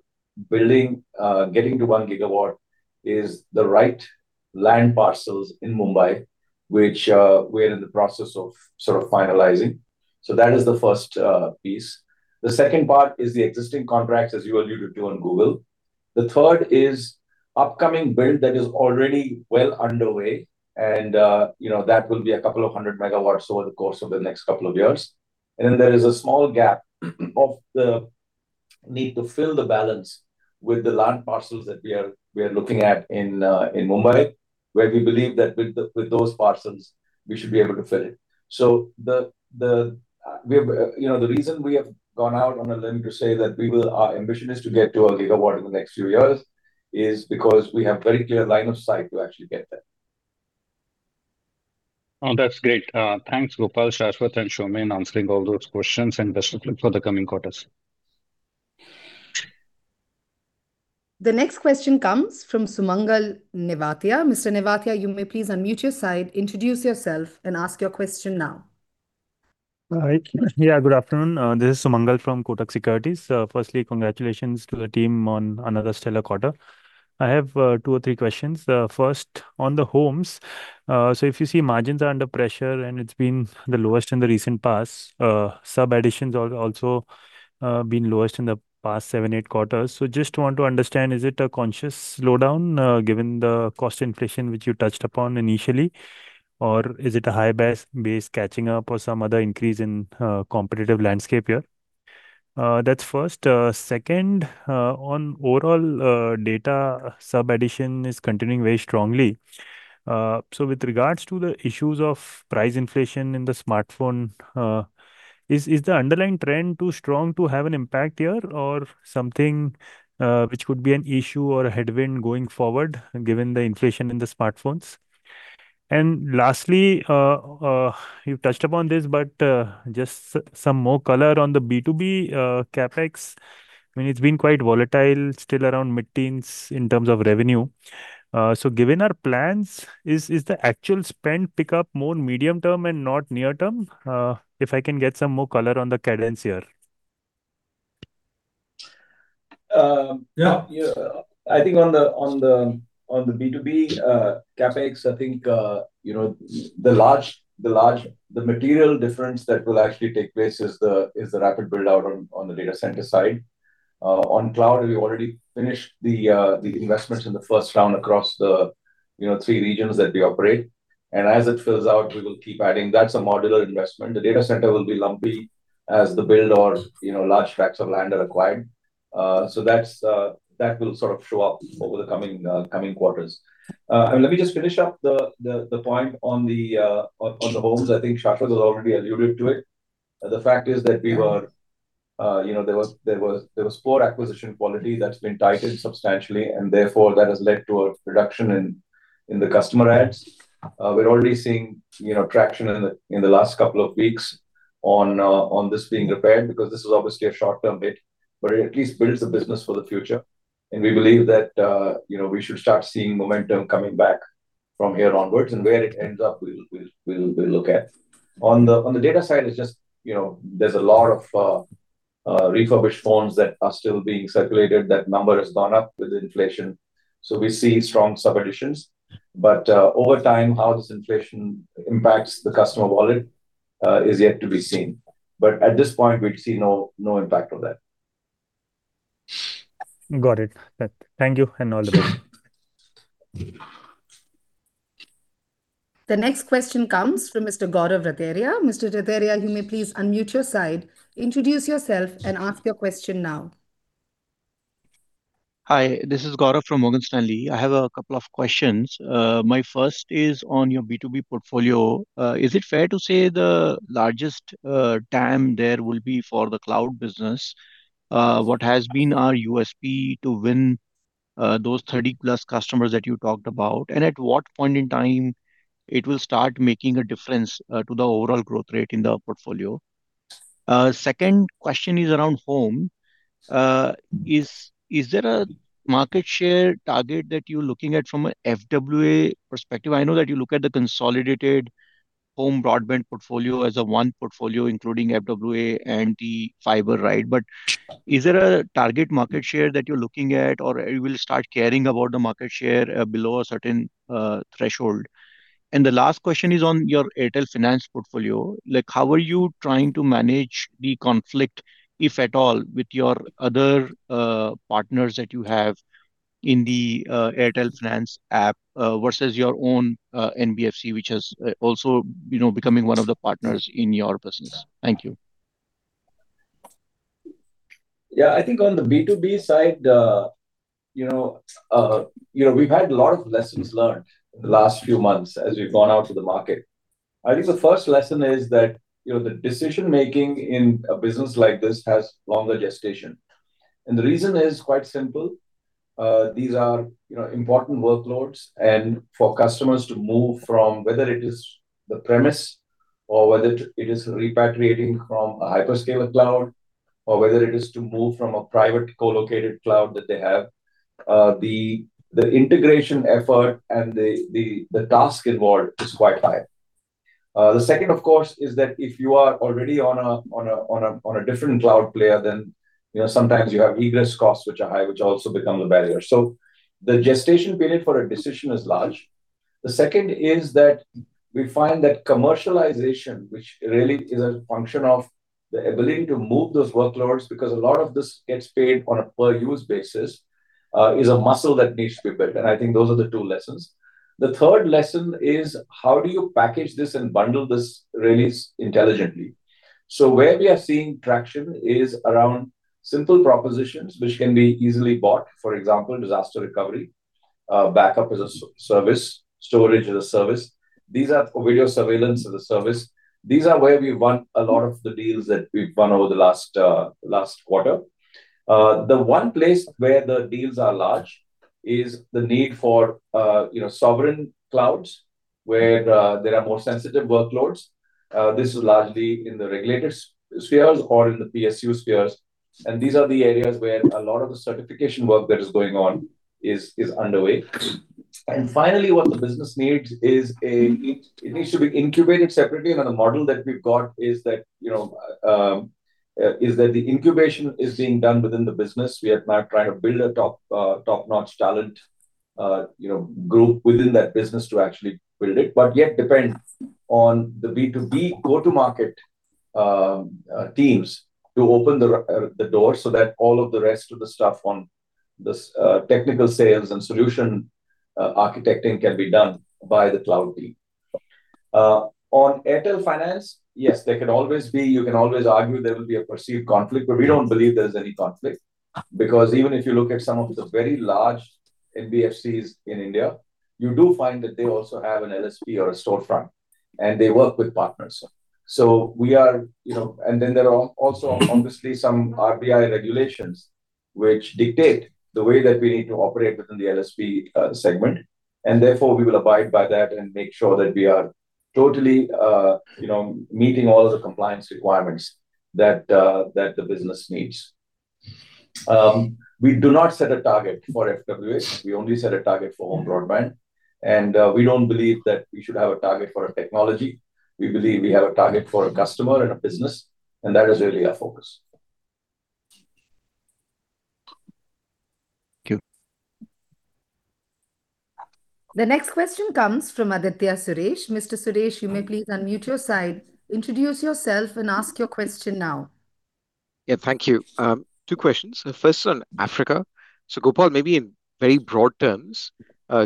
getting to 1 GW is the right land parcels in Mumbai, which we are in the process of sort of finalizing. That is the first piece. The second part is the existing contracts as you alluded to on Google. The third is upcoming build that is already well underway and that will be a couple of 100 MW over the course of the next couple of years. Then there is a small gap of the need to fill the balance with the land parcels that we are looking at in Mumbai, where we believe that with those parcels we should be able to fill it. The reason we have gone out on a limb to say that our ambition is to get to a gigawatt in the next few years is because we have very clear line of sight to actually get there. Oh, that's great. Thanks, Gopal, Shashwat, and Soumen answering all those questions and best of luck for the coming quarters. The next question comes from Sumangal Nevatia. Mr. Nevatia, you may please unmute your side, introduce yourself and ask your question now. All right. Good afternoon. This is Sumangal from Kotak Securities. Firstly, congratulations to the team on another stellar quarter. I have two or three questions. First, on the homes. If you see margins are under pressure, and it's been the lowest in the recent past. Sub additions also been lowest in the past seven, eight quarters. Just want to understand, is it a conscious slowdown given the cost inflation, which you touched upon initially, or is it a high base catching up or some other increase in competitive landscape here? That's first. Second, on overall data sub addition is continuing very strongly. With regards to the issues of price inflation in the smartphone, is the underlying trend too strong to have an impact here or something which could be an issue or a headwind going forward given the inflation in the smartphones? Lastly, you've touched upon this, but just some more color on the B2B CapEx. I mean, it's been quite volatile, still around mid-teens in terms of revenue. Given our plans, is the actual spend pick up more medium term and not near term? If I can get some more color on the cadence here. I think on the B2B CapEx, the material difference that will actually take place is the rapid build-out on the data center side. On cloud, we already finished the investments in the first round across the three regions that we operate. As it fills out, we will keep adding. That's a modular investment. The data center will be lumpy as the build or large tracts of land are acquired. That will sort of show up over the coming quarters. Let me just finish up the point on the homes. I think Shashwat has already alluded to it. The fact is that there was poor acquisition quality that's been tightened substantially, and therefore that has led to a reduction in the customer adds. We're already seeing traction in the last couple of weeks on this being repaired, because this is obviously a short-term hit, but it at least builds the business for the future. We believe that we should start seeing momentum coming back from here onwards. Where it ends up, we'll look at. On the data side, it's just there's a lot of refurbished phones that are still being circulated. That number has gone up with inflation. We see strong sub additions. Over time, how this inflation impacts the customer wallet is yet to be seen. At this point, we see no impact of that. Got it. Thank you and all the best. The next question comes from Mr. Gaurav Rateria. Mr. Rateria, you may please unmute your side, introduce yourself and ask your question now. Hi, this is Gaurav from Morgan Stanley. I have a couple of questions. My first is on your B2B portfolio. Is it fair to say the largest TAM there will be for the cloud business? What has been our USP to win those 30+ customers that you talked about? At what point in time it will start making a difference to the overall growth rate in the portfolio? Second question is around home. Is there a market share target that you're looking at from a FWA perspective? I know that you look at the consolidated home broadband portfolio as a one portfolio, including FWA, NT, fiber, right? Is there a target market share that you're looking at, or you will start caring about the market share below a certain threshold? The last question is on your Airtel Finance portfolio. How are you trying to manage the conflict, if at all, with your other partners that you have in the Airtel Finance app versus your own NBFC, which is also becoming one of the partners in your business. Thank you. Yeah, I think on the B2B side, we've had a lot of lessons learned in the last few months as we've gone out to the market. I think the first lesson is that the decision making in a business like this has longer gestation. The reason is quite simple. These are important workloads and for customers to move from, whether it is the premise or whether it is repatriating from a hyperscaler cloud, or whether it is to move from a private co-located cloud that they have, the integration effort and the task involved is quite high. The second, of course, is that if you are already on a different cloud player, then sometimes you have egress costs which are high, which also become a barrier. The gestation period for a decision is large. The second is that we find that commercialization, which really is a function of the ability to move those workloads, because a lot of this gets paid on a per-use basis, is a muscle that needs to be built. I think those are the two lessons. The third lesson is how do you package this and bundle this really intelligently. Where we are seeing traction is around simple propositions which can be easily bought. For example, disaster recovery, backup as a service, storage as a service. These are video surveillance as a service. These are where we've won a lot of the deals that we've won over the last quarter. The one place where the deals are large is the need for sovereign clouds where there are more sensitive workloads. This is largely in the regulated spheres or in the PSU spheres. These are the areas where a lot of the certification work that is going on is underway. Finally, what the business needs is it needs to be incubated separately. The model that we've got is that the incubation is being done within the business. We are now trying to build a top-notch talent group within that business to actually build it, but yet depend on the B2B go-to-market teams to open the door so that all of the rest of the stuff on this technical sales and solution architecting can be done by the cloud team. On Airtel Business, yes, you can always argue there will be a perceived conflict, but we don't believe there's any conflict. Even if you look at some of the very large NBFCs in India, you do find that they also have an LSP or a storefront, and they work with partners. There are also obviously some RBI regulations which dictate the way that we need to operate within the LSP segment, therefore we will abide by that and make sure that we are totally meeting all of the compliance requirements that the business needs. We do not set a target for FWA. We only set a target for home broadband, and we don't believe that we should have a target for a technology. We believe we have a target for a customer and a business, and that is really our focus. Thank you. The next question comes from Aditya Suresh. Mr. Suresh, you may please unmute your side, introduce yourself, and ask your question now. Yeah, thank you. Two questions. The first on Africa. Gopal, maybe in very broad terms,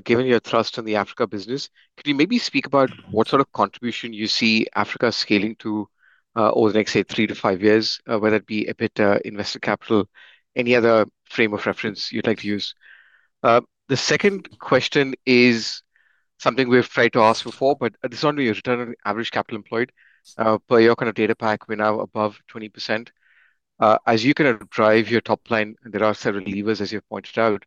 given your thrust on the Africa business, could you maybe speak about what sort of contribution you see Africa scaling to over the next, say, three to five years, whether it be EBIT, investor capital, any other frame of reference you'd like to use? The second question is something we've tried to ask before, but this one will be return on average capital employed. Per your kind of data pack, we're now above 20%. As you kind of drive your top line, there are several levers, as you've pointed out.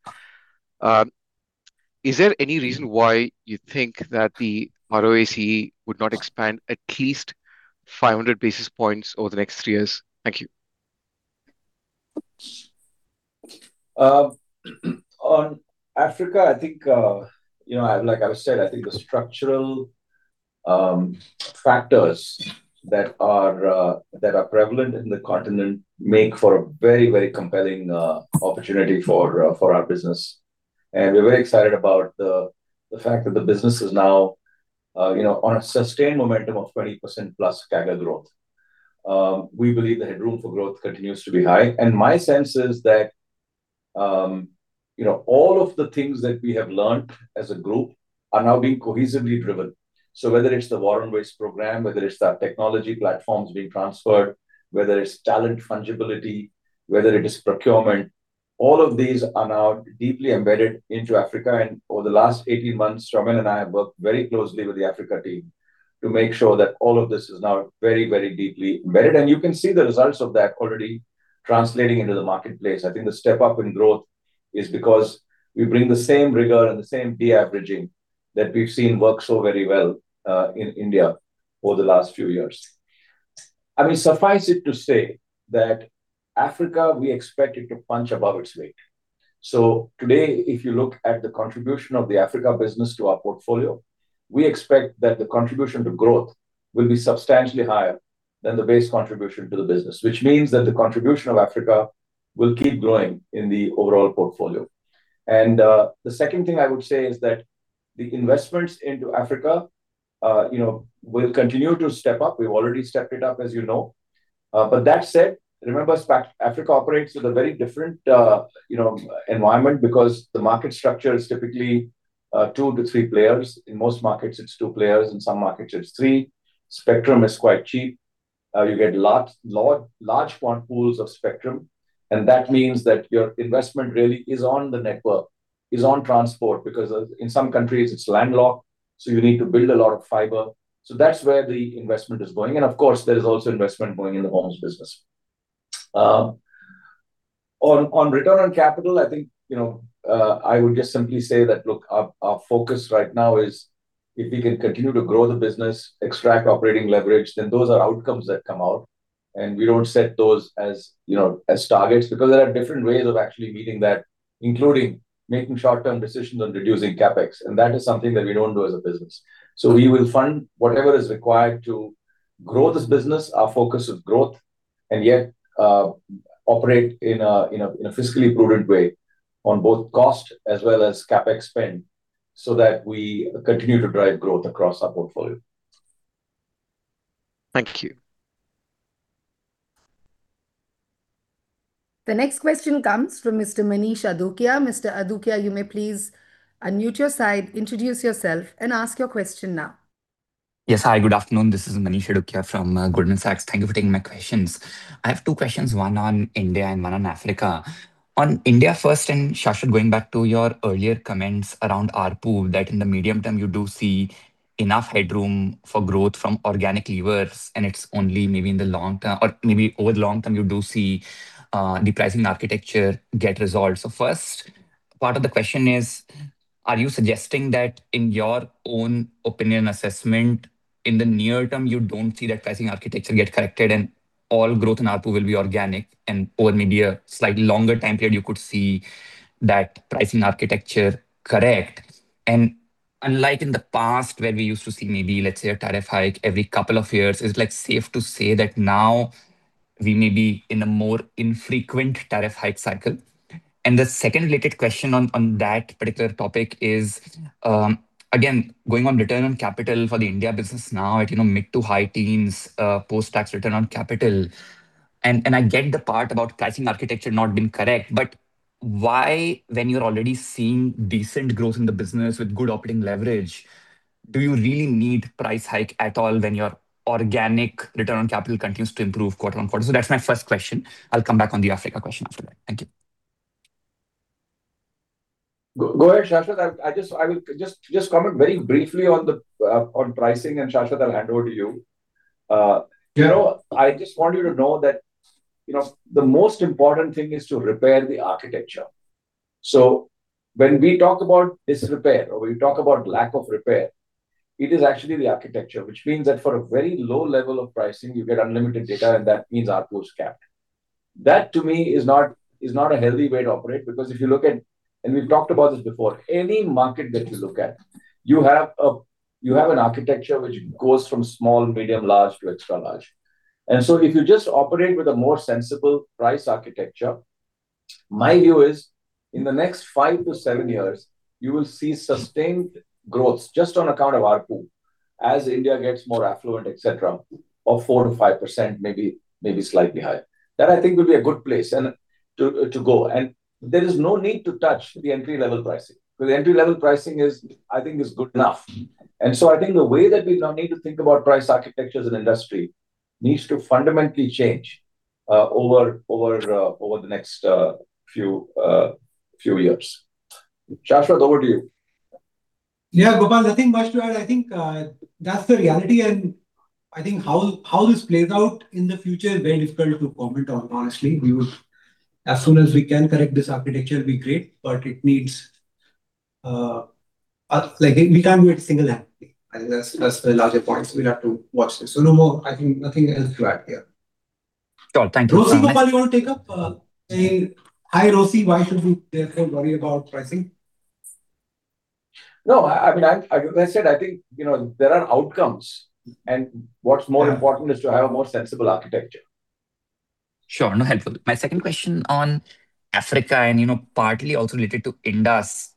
Is there any reason why you think that the ROIC would not expand at least 500 basis points over the next three years? Thank you. On Africa, like I've said, I think the structural factors that are prevalent in the continent make for a very compelling opportunity for our business. We're very excited about the fact that the business is now on a sustained momentum of 20%+ CAGR growth. We believe the headroom for growth continues to be high. My sense is that all of the things that we have learnt as a group are now being cohesively driven. Whether it's the War on Waste program, whether it's the technology platforms being transferred, whether it's talent fungibility, whether it is procurement, all of these are now deeply embedded into Africa. Over the last 18 months, Soumen and I have worked very closely with the Africa team to make sure that all of this is now very deeply embedded. You can see the results of that already translating into the marketplace. I think the step-up in growth is because we bring the same rigor and the same de-averaging that we've seen work so very well in India over the last few years. I mean, suffice it to say that Africa, we expect it to punch above its weight. Today, if you look at the contribution of the Africa business to our portfolio, we expect that the contribution to growth will be substantially higher than the base contribution to the business. Which means that the contribution of Africa will keep growing in the overall portfolio. The second thing I would say is that the investments into Africa will continue to step up. We've already stepped it up, as you know. That said, remember Africa operates in a very different environment because the market structure is typically two to three players. In most markets, it's two players. In some markets, it's three. Spectrum is quite cheap. You get large pools of spectrum, that means that your investment really is on the network, is on transport. Because in some countries it's landlocked, so you need to build a lot of fiber. That's where the investment is going. Of course, there is also investment going in the Airtel Money business. On return on capital, I think, I would just simply say that, look, our focus right now is if we can continue to grow the business, extract operating leverage, then those are outcomes that come out. We don't set those as targets because there are different ways of actually meeting that, including making short-term decisions on reducing CapEx. That is something that we don't do as a business. We will fund whatever is required to grow this business, our focus of growth, and yet operate in a fiscally prudent way on both cost as well as CapEx spend so that we continue to drive growth across our portfolio. Thank you. The next question comes from Mr. Manish Adukia. Mr. Adukia, you may please unmute your side, introduce yourself, and ask your question now. Hi, good afternoon. This is Manish Adukia from Goldman Sachs. Thank you for taking my questions. I have two questions, one on India and one on Africa. On India first, Shashwat, going back to your earlier comments around ARPU, that in the medium term you do see enough headroom for growth from organic levers, and it's only maybe in the long term or maybe over the long term you do see the pricing architecture get resolved. Part of the question is, are you suggesting that in your own opinion assessment, in the near term, you don't see that pricing architecture get corrected and all growth in ARPU will be organic, and over maybe a slightly longer time period, you could see that pricing architecture correct? Unlike in the past where we used to see maybe, let's say, a tariff hike every couple of years, is it safe to say that now we may be in a more infrequent tariff hike cycle? The second related question on that particular topic is, again, going on return on capital for the India business now at mid to high teens, post-tax return on capital. I get the part about pricing architecture not being correct, but why when you're already seeing decent growth in the business with good operating leverage, do you really need price hike at all when your organic return on capital continues to improve quarter-on-quarter? That's my first question. I'll come back on the Africa question after that. Thank you. Go ahead, Shashwat. I will just comment very briefly on pricing, Shashwat, I'll hand over to you. Yeah. I just want you to know that the most important thing is to repair the architecture. When we talk about disrepair or we talk about lack of repair, it is actually the architecture, which means that for a very low level of pricing, you get unlimited data, and that means ARPU is capped. That to me is not a healthy way to operate because if you look at, and we've talked about this before, any market that you look at, you have an architecture which goes from small, medium, large to extra large. If you just operate with a more sensible price architecture, my view is in the next five to seven years, you will see sustained growth just on account of ARPU as India gets more affluent, et cetera, of 4%-5%, maybe slightly higher. That I think will be a good place to go. There is no need to touch the entry-level pricing, because the entry-level pricing, I think, is good enough. I think the way that we now need to think about price architecture as an industry needs to fundamentally change over the next few years. Shashwat, over to you. Yeah, Gopal, I think much to add. I think that's the reality I think how this plays out in the future is very difficult to comment on, honestly. As soon as we can correct this architecture, it'd be great, we can't do it single-handedly. I think that's the larger point, we'll have to watch this. No more, I think nothing else to add here. Cool. Thank you. Gopal, you want to take up saying high ROIC, why should we therefore worry about pricing? As I said, I think there are outcomes. What's more important is to have a more sensible architecture. Sure. Helpful. My second question on Africa, and partly also related to Indus.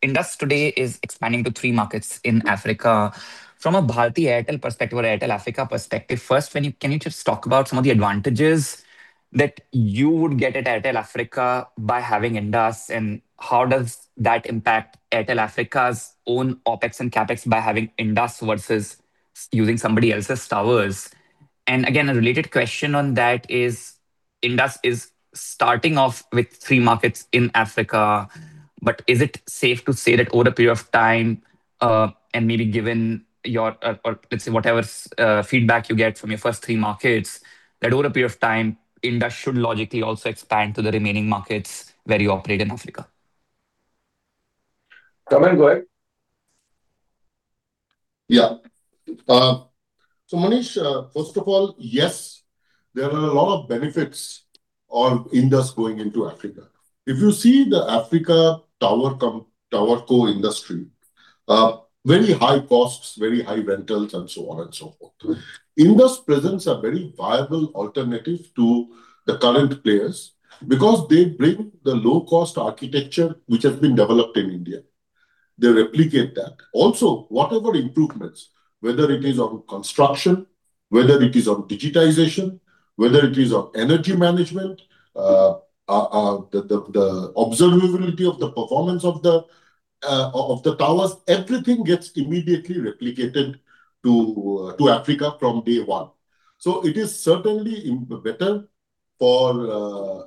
Indus today is expanding to three markets in Africa. From a Bharti Airtel perspective or Airtel Africa perspective, first, can you just talk about some of the advantages that you would get at Airtel Africa by having Indus, and how does that impact Airtel Africa's own OpEx and CapEx by having Indus versus using somebody else's towers? Again, a related question on that is Indus is starting off with three markets in Africa, but is it safe to say that over a period of time, and maybe given your, or let's say, whatever feedback you get from your first three markets, that over a period of time, Indus should logically also expand to the remaining markets where you operate in Africa? Kamal, go ahead. Manish, first of all, yes, there are a lot of benefits on Indus going into Africa. If you see the Africa TowerCo industry, very high costs, very high rentals, and so on and so forth. Indus presents a very viable alternative to the current players because they bring the low-cost architecture which has been developed in India. They replicate that. Also, whatever improvements, whether it is on construction, whether it is on digitization, whether it is on energy management, the observability of the performance of the towers, everything gets immediately replicated to Africa from day one. It is certainly better for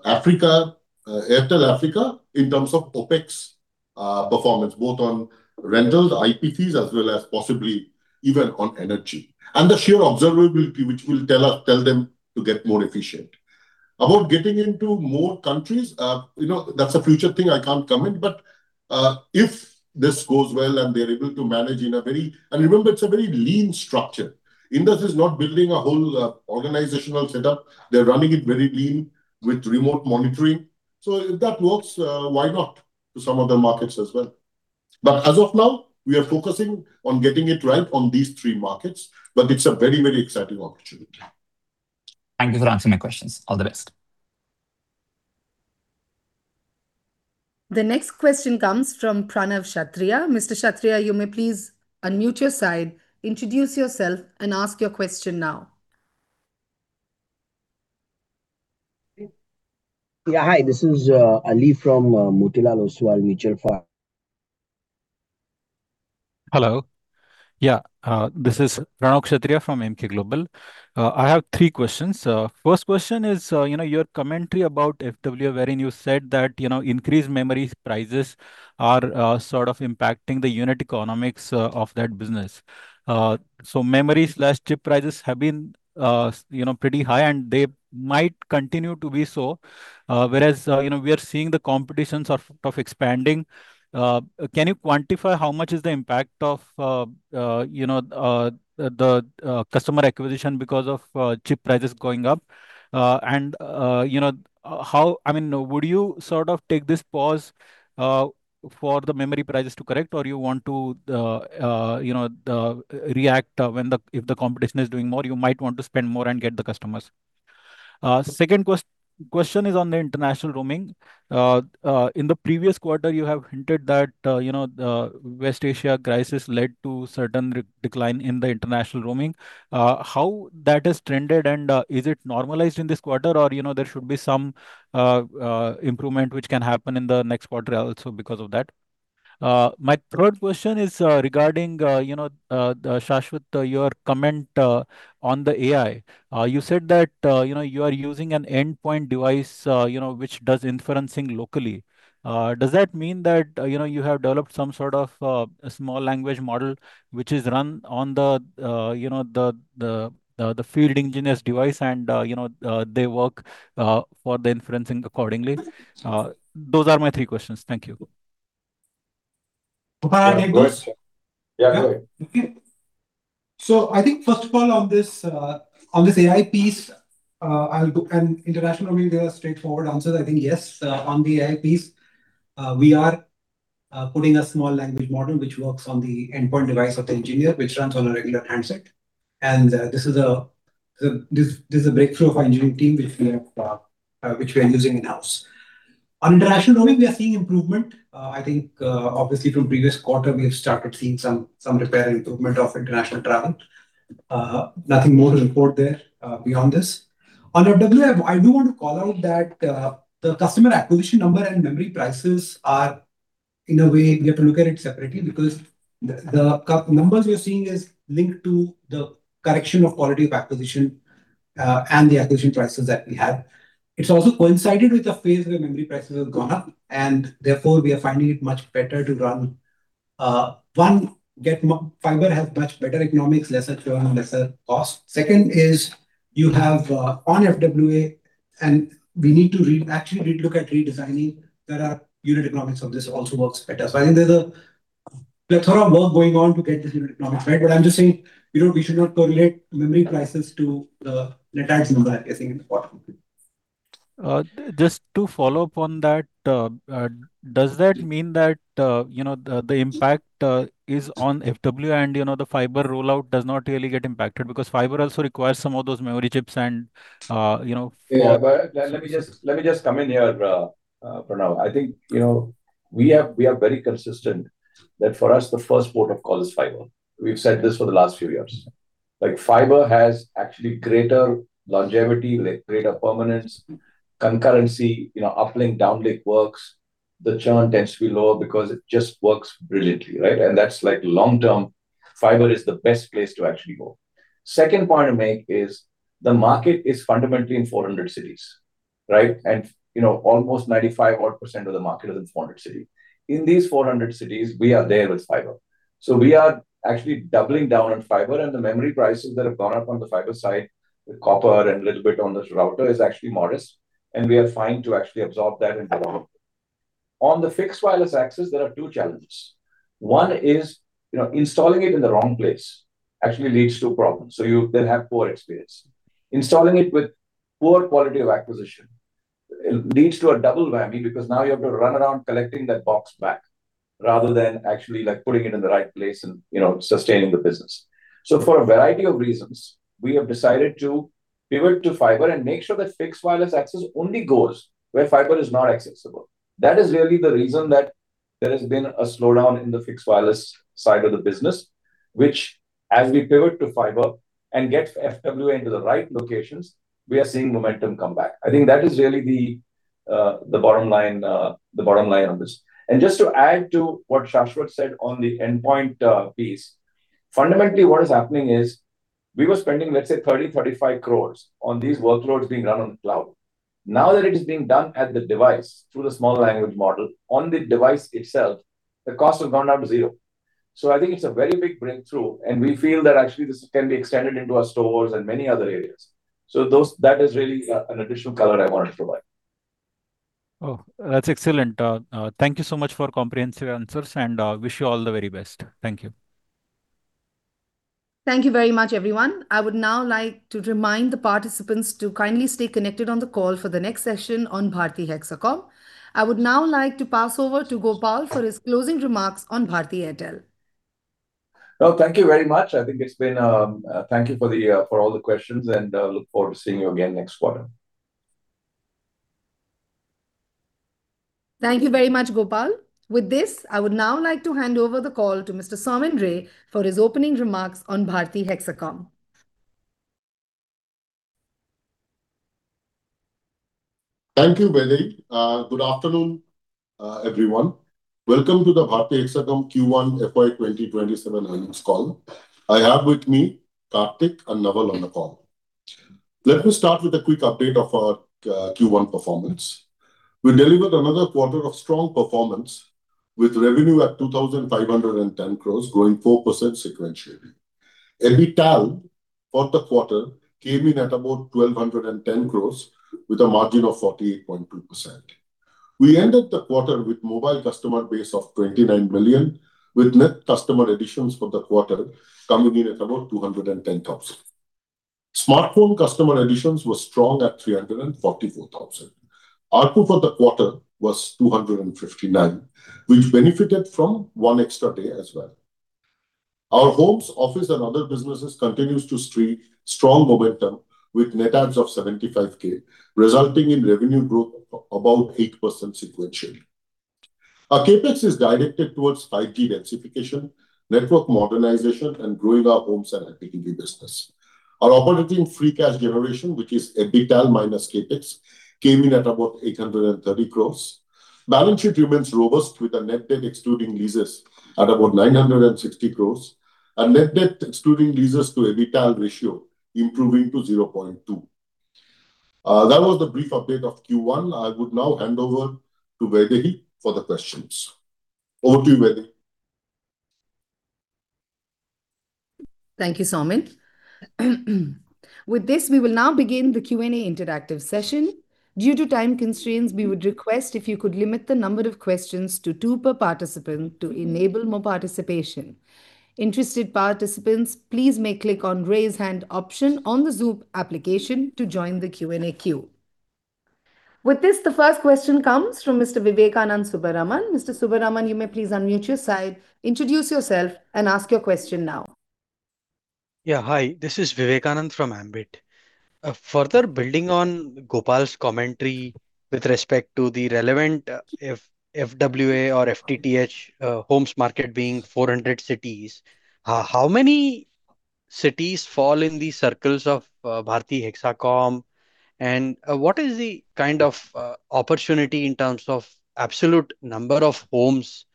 Airtel Africa in terms of OpEx performance, both on rentals, IBS fees, as well as possibly even on energy. The sheer observability, which will tell them to get more efficient. About getting into more countries, that's a future thing I can't comment. If this goes well and they're able to manage in a very. Remember, it's a very lean structure. Indus is not building a whole organizational setup. They're running it very lean with remote monitoring. If that works, why not to some other markets as well? As of now, we are focusing on getting it right on these three markets. It's a very exciting opportunity. Thank you for answering my questions. All the best. The next question comes from Pranav Kshatriya. Mr. Kshatriya, you may please unmute your side, introduce yourself, and ask your question now. Yeah. Hi, this is Ali from Motilal Oswal Mutual Fund. Hello. Yeah, this is Pranav Kshatriya from Emkay Global. I have three questions. First question is, your commentary about FWA wherein you said that increased memory prices are sort of impacting the unit economics of that business. Memory/chip prices have been pretty high, and they might continue to be so, whereas we are seeing the competition sort of expanding. Can you quantify how much is the impact of the customer acquisition because of chip prices going up? Would you sort of take this pause for the memory prices to correct, or you want to react if the competition is doing more, you might want to spend more and get the customers? Second question is on the international roaming. In the previous quarter, you have hinted that West Asia crisis led to certain decline in the international roaming. How that has trended, and is it normalized in this quarter, or there should be some improvement which can happen in the next quarter also because of that? My third question is regarding Shashwat, your comment on the AI. You said that you are using an endpoint device which does inferencing locally. Does that mean that you have developed some sort of a small language model which is run on the field engineer's device, and they work for the inferencing accordingly? Those are my three questions. Thank you. Yeah, go ahead. I think first of all on this AI piece, and international roaming, there are straightforward answers. I think yes, on the AI piece, we are putting a small language model which works on the endpoint device of the engineer, which runs on a regular handset. This is a breakthrough for our engineering team, which we are using in-house. On international roaming, we are seeing improvement. I think obviously from previous quarter, we have started seeing some repair and improvement of international travel. Nothing more to report there beyond this. On FWA, I do want to call out that the customer acquisition number and memory prices are, in a way, we have to look at it separately because the numbers we are seeing is linked to the correction of quality of acquisition, and the acquisition prices that we have. It's also coincided with the phase where memory prices have gone up, and therefore we are finding it much better to run, one, fiber has much better economics, lesser churn, and lesser cost. Second is you have on FWA, and we need to actually look at redesigning. There are unit economics of this also works better. I think there's a lot of work going on to get this unit economics right. I'm just saying, we should not correlate memory prices to net adds number, I think is important. Just to follow up on that, does that mean that the impact is on FWA and the fiber rollout does not really get impacted because fiber also requires some of those memory chips. Yeah, let me just come in here, Pranav. I think we are very consistent that for us, the first port of call is fiber. We've said this for the last few years. Fiber has actually greater longevity, greater permanence, concurrency, uplink, downlink works. The churn tends to be lower because it just works brilliantly, right? That's like long-term, fiber is the best place to actually go. Second point I'll make is the market is fundamentally in 400 cities, right? Almost 95%-odd of the market is in 400 cities. In these 400 cities, we are there with fiber. We are actually doubling down on fiber and the memory prices that have gone up on the fiber side, the copper and little bit on this router is actually modest, and we are fine to actually absorb that and move on. On the fixed wireless access, there are two challenges. One is installing it in the wrong place actually leads to problems. You then have poor experience. Installing it with poor quality of acquisition leads to a double whammy because now you have to run around collecting that box back rather than actually putting it in the right place and sustaining the business. For a variety of reasons, we have decided to pivot to fiber and make sure that fixed wireless access only goes where fiber is not accessible. That is really the reason that there has been a slowdown in the fixed wireless side of the business, which as we pivot to fiber and get FWA into the right locations, we are seeing momentum come back. I think that is really the bottom line of this. Just to add to what Shashwat said on the endpoint piece, fundamentally what is happening is we were spending, let's say, 30 crores-35 crores on these workloads being run on cloud. Now that it is being done at the device through the small language model on the device itself, the cost has gone down to zero. I think it's a very big breakthrough, and we feel that actually this can be extended into our stores and many other areas. That is really an additional color I wanted to provide. That's excellent. Thank you so much for comprehensive answers and wish you all the very best. Thank you. Thank you very much, everyone. I would now like to remind the participants to kindly stay connected on the call for the next session on Bharti Hexacom. I would now like to pass over to Gopal for his closing remarks on Bharti Airtel. Well, thank you very much. Thank you for all the questions. I look forward to seeing you again next quarter. Thank you very much, Gopal. With this, I would now like to hand over the call to Mr. Soumen Ray for his opening remarks on Bharti Hexacom. Thank you, Vaidehi. Good afternoon, everyone. Welcome to the Bharti Hexacom Q1 FY 2027 earnings call. I have with me Karthik and Naval on the call. Let me start with a quick update of our Q1 performance. We delivered another quarter of strong performance, with revenue at 2,510 crores growing 4% sequentially. EBITDA for the quarter came in at about 1,210 crores with a margin of 48.2%. We ended the quarter with mobile customer base of 29 million, with net customer additions for the quarter coming in at about 210,000. Smartphone customer additions were strong at 344,000. ARPU for the quarter was 259. We've benefited from one extra day as well. Our homes, office, and other businesses continues to streak strong momentum with net adds of 75,000, resulting in revenue growth about 8% sequentially. Our CapEx is directed towards 5G densification, network modernization, and growing our homes and SME business. Our operating free cash generation, which is EBITDA minus CapEx, came in at about 830 crores. Balance sheet remains robust with a net debt excluding leases at about 960 crores, and net debt excluding leases to EBITDA ratio improving to 0.2x. That was the brief update of Q1. I would now hand over to Vaidehi for the questions. Over to you, Vaidehi. Thank you, Soumen. With this, we will now begin the Q and A interactive session. Due to time constraints, we would request if you could limit the number of questions to two per participant to enable more participation. Interested participants, please may click on Raise Hand option on the Zoom application to join the Q and A queue. With this, the first question comes from Mr. Vivekanand Subbaraman. Mr. Subbaraman, you may please unmute your side, introduce yourself, and ask your question now. Hi, this is Vivekanand from Ambit. Further building on Gopal's commentary with respect to the relevant, FWA or FTTH homes market being 400 cities, how many cities fall in the circles of Bharti Hexacom? What is the kind of opportunity in terms of absolute number of homes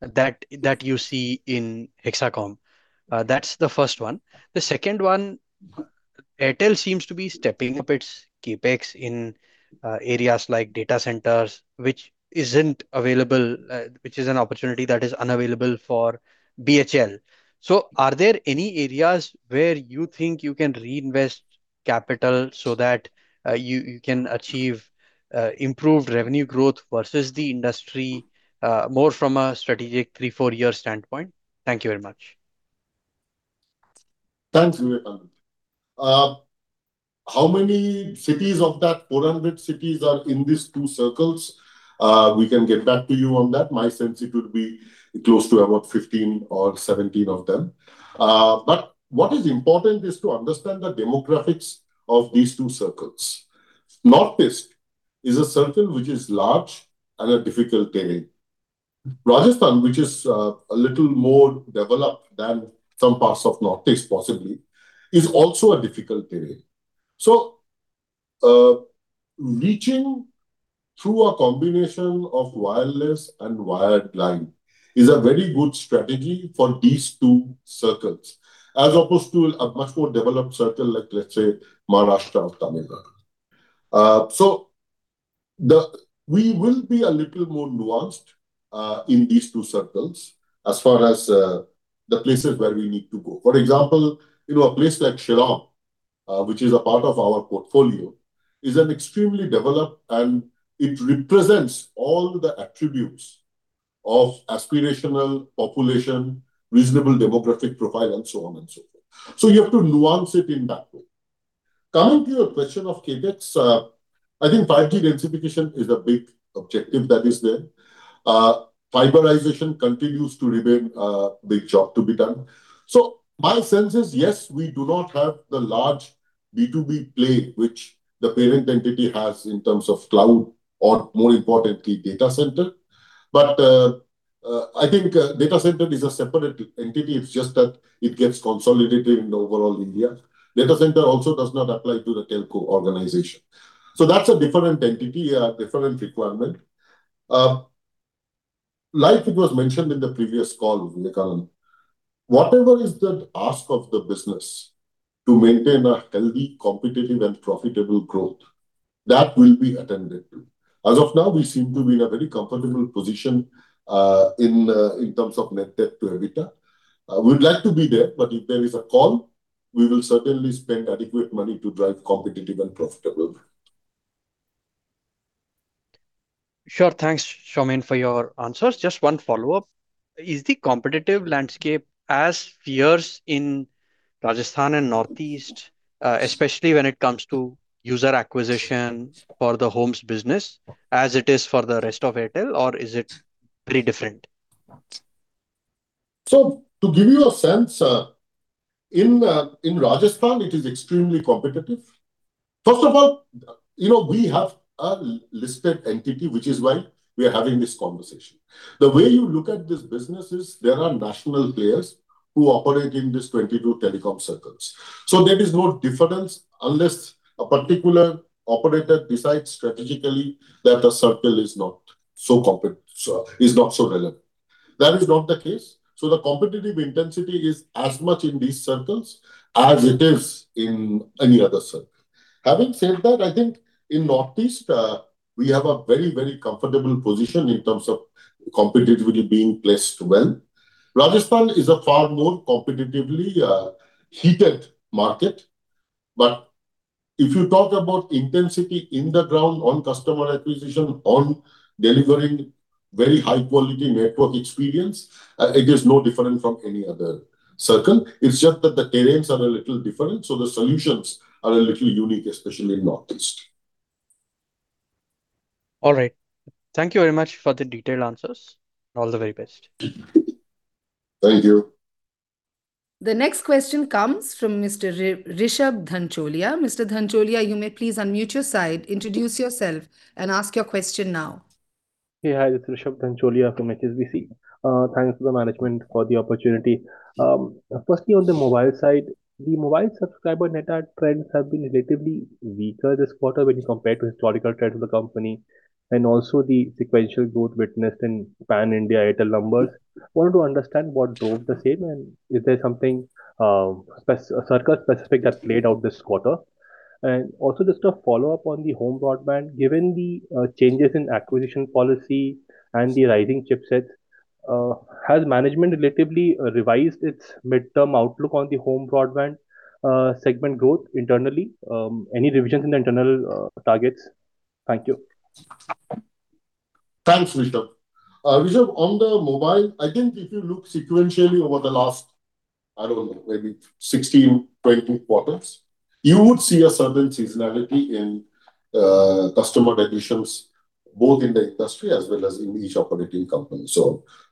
that you see in Hexacom? That's the first one. The second one, Airtel seems to be stepping up its CapEx in areas like data centers, which is an opportunity that is unavailable for BHL. Are there any areas where you think you can reinvest capital so that you can achieve improved revenue growth versus the industry, more from a strategic three, four-year standpoint? Thank you very much. Thanks, Vivekanand. How many cities of that 400 cities are in these two circles? We can get back to you on that. My sense, it would be close to about 15 or 17 of them. What is important is to understand the demographics of these two circles. Northeast is a circle which is large and a difficult terrain. Rajasthan, which is a little more developed than some parts of Northeast, possibly, is also a difficult terrain. Reaching through a combination of wireless and wired line is a very good strategy for these two circles, as opposed to a much more developed circle, like let's say Maharashtra or Tamil Nadu. For example, a place like Shillong, which is a part of our portfolio, is an extremely developed, and it represents all the attributes of aspirational population, reasonable demographic profile, and so on and so forth. You have to nuance it in that way. Coming to your question of CapEx, I think 5G densification is a big objective that is there. Fiberization continues to remain a big job to be done. My sense is, yes, we do not have the large B2B play which the parent entity has in terms of cloud or more importantly, data center. I think data center is a separate entity. It's just that it gets consolidated in overall India. Data center also does not apply to the telco organization. That's a different entity, a different requirement. Like it was mentioned in the previous call with Nettle, whatever is the ask of the business to maintain a healthy, competitive, and profitable growth, that will be attended to. As of now, we seem to be in a very comfortable position in terms of net debt to EBITDA. We would like to be there, but if there is a call, we will certainly spend adequate money to drive competitive and profitable. Sure. Thanks, Soumen, for your answers. Just one follow-up. Is the competitive landscape as fierce in Rajasthan and Northeast, especially when it comes to user acquisition for the homes business as it is for the rest of Airtel, or is it pretty different? To give you a sense, in Rajasthan, it is extremely competitive. First of all, we have a listed entity, which is why we are having this conversation. The way you look at this business is there are national players to operate in these 22 telecom circles. There is no difference unless a particular operator decides strategically that the circle is not so relevant. That is not the case, so the competitive intensity is as much in these circles as it is in any other circle. Having said that, I think in Northeast, we have a very comfortable position in terms of competitively being placed well. Rajasthan is a far more competitively heated market. If you talk about intensity in the ground on customer acquisition, on delivering very high-quality network experience, it is no different from any other circle. It's just that the terrains are a little different, so the solutions are a little unique, especially in Northeast. All right. Thank you very much for the detailed answers, all the very best. Thank you. The next question comes from Mr. Rishabh Dhancholia. Mr. Dhancholia, you may please unmute your side, introduce yourself and ask your question now. Hey. Hi, this is Rishabh Dhancholia from HSBC. Thanks to the management for the opportunity. Firstly, on the mobile side, the mobile subscriber net add trends have been relatively weaker this quarter when you compare to historical trends of the company, and also the sequential growth witnessed in pan-India Airtel numbers. Wanted to understand what drove the same, is there something circle-specific that played out this quarter? Also, just a follow-up on the home broadband. Given the changes in acquisition policy and the rising chipsets, has management relatively revised its midterm outlook on the home broadband segment growth internally? Any revisions in the internal targets? Thank you. Thanks, Rishabh. Rishabh, on the mobile, I think if you look sequentially over the last, I don't know, maybe 16, 20 quarters, you would see a certain seasonality in customer additions, both in the industry as well as in each operating company.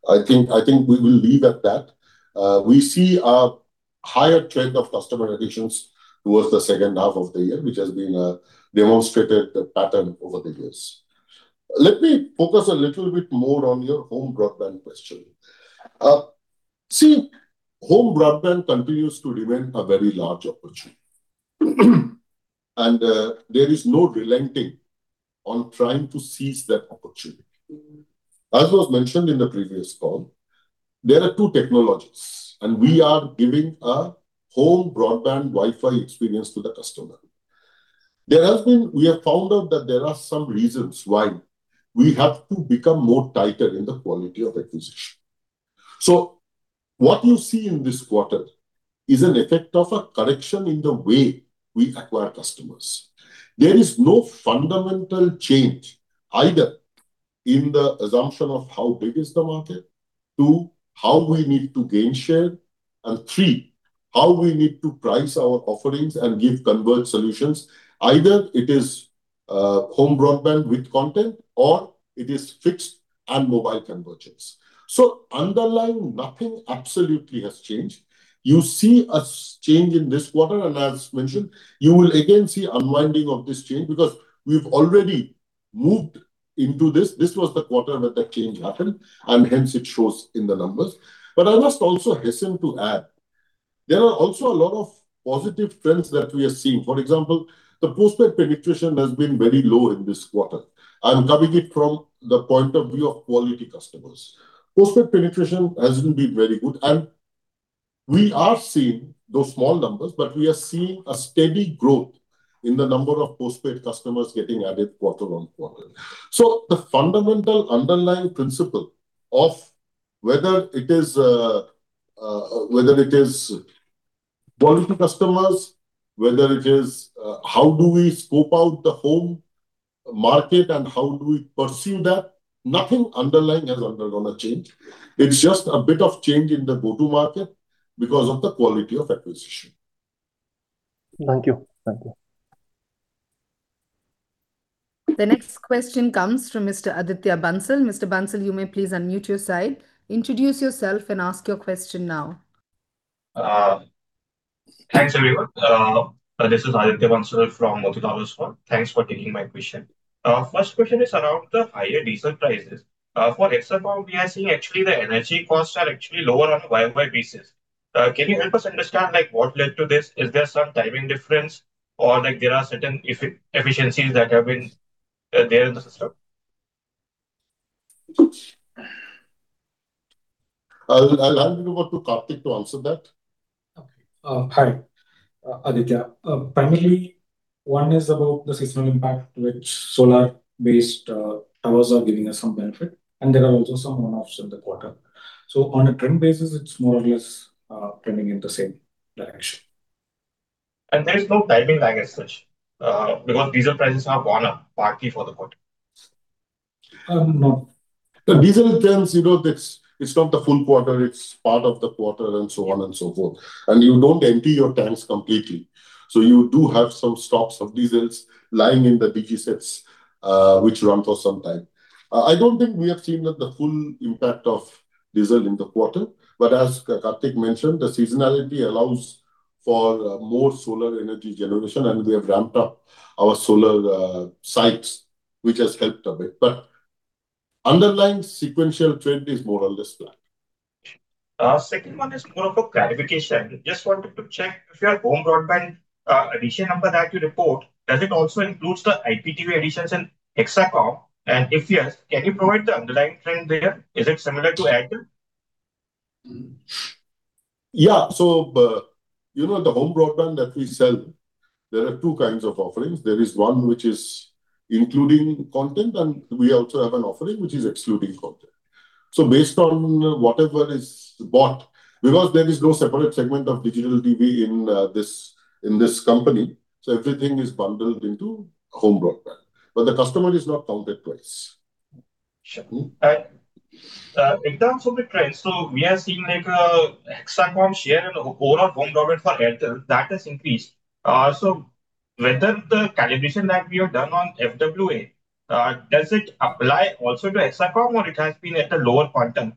I think we will leave at that. We see a higher trend of customer additions towards the second half of the year, which has been a demonstrated pattern over the years. Let me focus a little bit more on your home broadband question. Home broadband continues to remain a very large opportunity. There is no relenting on trying to seize that opportunity. As was mentioned in the previous call, there are two technologies, and we are giving a home broadband Wi-Fi experience to the customer. We have found out that there are some reasons why we have to become more tighter in the quality of acquisition. What you see in this quarter is an effect of a correction in the way we acquire customers. There is no fundamental change, either in the assumption of how big is the market, two, how we need to gain share, and three, how we need to price our offerings and give converged solutions. Either it is home broadband with content, or it is fixed and mobile convergence. Underlying, nothing absolutely has changed. You see a change in this quarter, and as mentioned, you will again see unwinding of this change because we've already moved into this. This was the quarter that the change happened, and hence it shows in the numbers. I must also hasten to add, there are also a lot of positive trends that we are seeing. For example, the postpaid penetration has been very low in this quarter. I'm covering it from the point of view of quality customers. Postpaid penetration hasn't been very good, and we are seeing those small numbers, but we are seeing a steady growth in the number of postpaid customers getting added quarter on quarter. The fundamental underlying principle of whether it is volume to customers, whether it is how do we scope out the home market and how do we pursue that, nothing underlying has undergone a change. It's just a bit of change in the go-to market because of the quality of acquisition. Thank you. The next question comes from Mr. Aditya Bansal. Mr. Bansal, you may please unmute your side, introduce yourself, and ask your question now. Thanks, everyone. This is Aditya Bansal from Motilal Oswal. Thanks for taking my question. First question is around the higher diesel prices. For Hexacom now we are seeing actually the energy costs are actually lower on a YoY basis. Can you help us understand what led to this? Is there some timing difference or there are certain efficiencies that have been there in the system? I'll hand you over to Karthik to answer that. Okay. Hi, Aditya. Primarily, one is about the seasonal impact, which solar-based towers are giving us some benefit, and there are also some one-offs in the quarter. On a trend basis, it's more or less trending in the same direction. There is no timing lag as such because diesel prices have gone up partly for the quarter. No. The diesel trends, it's not the full quarter, it's part of the quarter and so on and so forth. You don't empty your tanks completely. You do have some stocks of diesels lying in the DG sets, which run for some time. I don't think we have seen the full impact of diesel in the quarter, as Karthik mentioned, the seasonality allows for more solar energy generation, and we have ramped up our solar sites, which has helped a bit. Underlying sequential trend is more or less flat. Second one is more of a clarification. Just wanted to check if your home broadband addition number that you report, does it also includes the IPTV additions in Hexacom? If yes, can you provide the underlying trend there? Is it similar to Airtel? The home broadband that we sell, there are two kinds of offerings. There is one which is including content, and we also have an offering which is excluding content. Based on whatever is bought, because there is no separate segment of Airtel digital TV in this company, everything is bundled into home broadband, but the customer is not counted twice. In terms of the trends, we are seeing a Hexacom share and overall home broadband for Airtel that has increased. Whether the calibration that we have done on FWA, does it apply also to Hexacom or it has been at a lower quantum?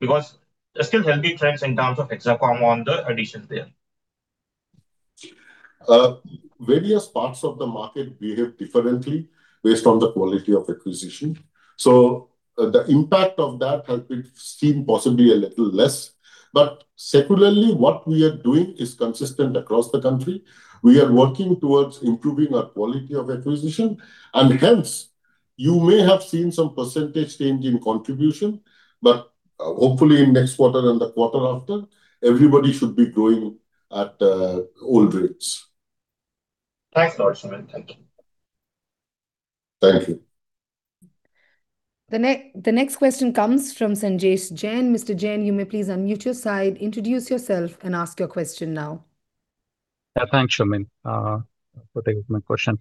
Because there is still healthy trends in terms of Hexacom on the additions there. Various parts of the market behave differently based on the quality of acquisition. The impact of that has been seen possibly a little less. Secularly, what we are doing is consistent across the country. We are working towards improving our quality of acquisition. Hence, you may have seen some percentage change in contribution, but hopefully in next quarter and the quarter after, everybody should be growing at old rates. Thanks a lot, Soumen. Thank you. Thank you. The next question comes from Sanjesh Jain. Mr. Jain, you may please unmute your side, introduce yourself, and ask your question now. Yeah, thanks, Soumen, for taking my question.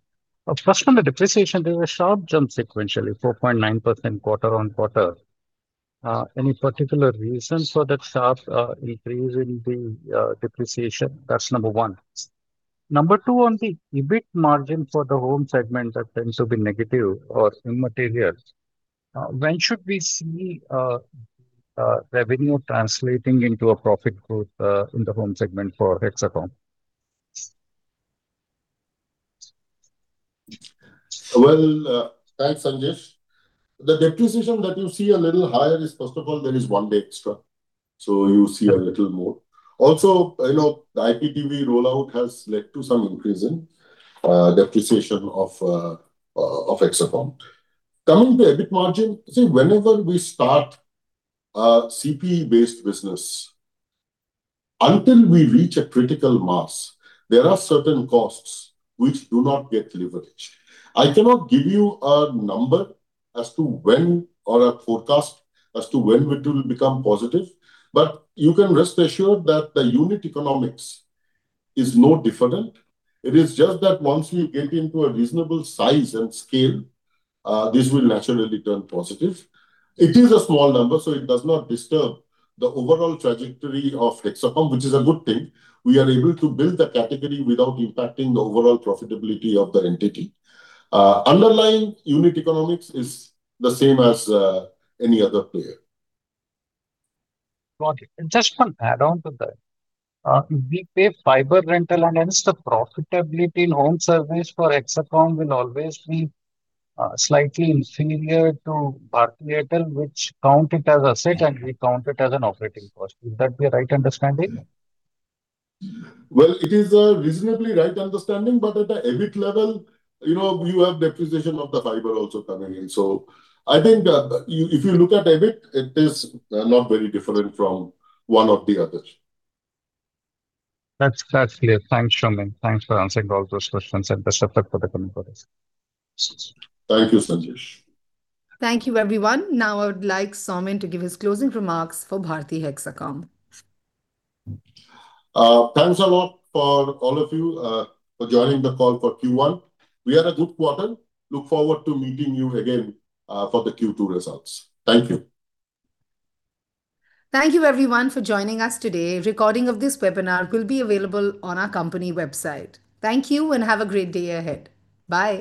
First, on the depreciation, there was a sharp jump sequentially, 4.9% quarter-on-quarter. Any particular reason for that sharp increase in the depreciation? That's number one. Number two on the EBIT margin for the home segment that tends to be negative or immaterial. When should we see revenue translating into a profit growth in the home segment for Hexacom? Well, thanks, Sanjesh. The depreciation that you see a little higher is, first of all, there is one day extra. You see a little more. Also, the IPTV rollout has led to some increase in depreciation of Hexacom. Coming to EBIT margin, see, whenever we start a CPE-based business, until we reach a critical mass, there are certain costs which do not get leveraged. I cannot give you a number as to when or a forecast as to when it will become positive, but you can rest assured that the unit economics is no different. It is just that once we get into a reasonable size and scale, this will naturally turn positive. It is a small number, so it does not disturb the overall trajectory of Hexacom, which is a good thing. We are able to build the category without impacting the overall profitability of the entity. Underlying unit economics is the same as any other player. Got it. Just want to add on to that. We pay fiber rental and hence the profitability in home service for Hexacom will always be slightly inferior to Bharti Airtel, which count it as asset and we count it as an operating cost. Will that be a right understanding? Well, it is a reasonably right understanding, but at the EBIT level, you have depreciation of the fiber also coming in. I think if you look at EBIT, it is not very different from one or the other. That's clear. Thanks, Soumen. Thanks for answering all those questions and best of luck for the coming quarters. Thank you, Sanjesh. Thank you, everyone. I would like Soumen to give his closing remarks for Bharti Hexacom. Thanks a lot for all of you for joining the call for Q1. We had a good quarter. Look forward to meeting you again for the Q2 results. Thank you. Thank you, everyone, for joining us today. A recording of this webinar will be available on our company website. Thank you and have a great day ahead. Bye.